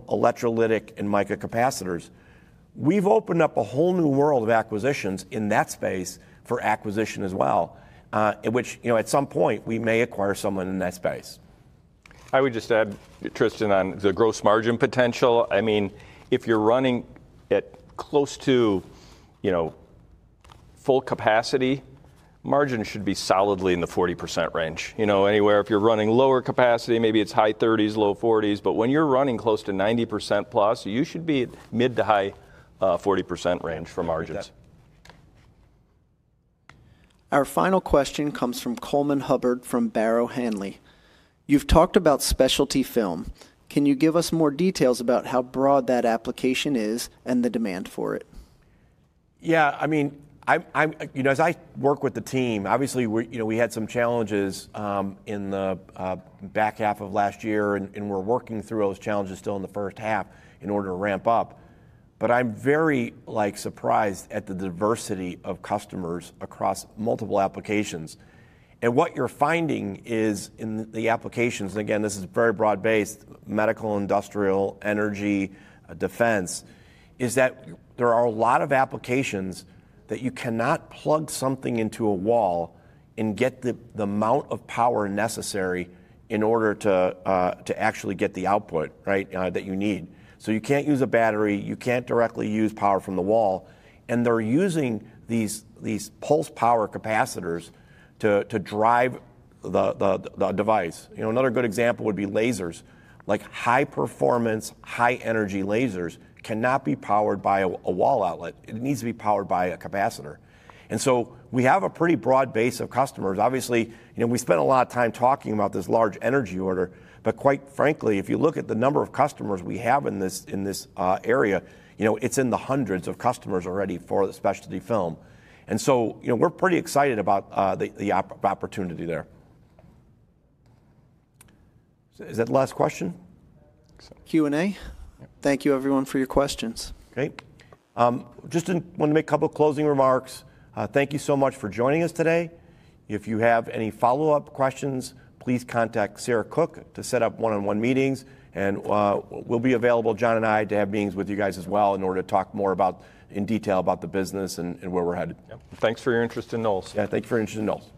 electrolytic, and microcapacitors. We've opened up a whole new world of acquisitions in that space for acquisition as well, which at some point we may acquire someone in that space. I would just add, Tristan, on the gross margin potential. I mean, if you're running at close to full capacity, margin should be solidly in the 40% range. Anywhere, if you're running lower capacity, maybe it's high 30s, low 40s. If you're running close to 90% plus, you should be mid to high 40% range for margins. Our final question comes from Coleman Hubbard from Barrow Hanley. You've talked about specialty film. Can you give us more details about how broad that application is and the demand for it? Yeah. I mean, as I work with the team, obviously, we had some challenges in the back half of last year. We're working through those challenges still in the first half in order to ramp up. I'm very surprised at the diversity of customers across multiple applications. What you're finding is in the applications, and again, this is very broad-based, medical, industrial, energy, defense, is that there are a lot of applications that you cannot plug something into a wall and get the amount of power necessary in order to actually get the output that you need. You can't use a battery. You can't directly use power from the wall. They're using these pulse power capacitors to drive the device. Another good example would be lasers. High-performance, high-energy lasers cannot be powered by a wall outlet. It needs to be powered by a capacitor. We have a pretty broad base of customers. Obviously, we spent a lot of time talking about this large energy order. Quite frankly, if you look at the number of customers we have in this area, it's in the hundreds of customers already for the specialty film. We're pretty excited about the opportunity there. Is that the last question? Q&A. Thank you, everyone, for your questions. Great. Just wanted to make a couple of closing remarks. Thank you so much for joining us today. If you have any follow-up questions, please contact Sarah Cook to set up one-on-one meetings. We'll be available, John and I, to have meetings with you guys as well in order to talk more in detail about the business and where we're headed. Thanks for your interest in Knowles. Yeah. Thanks for your interest in Knowles.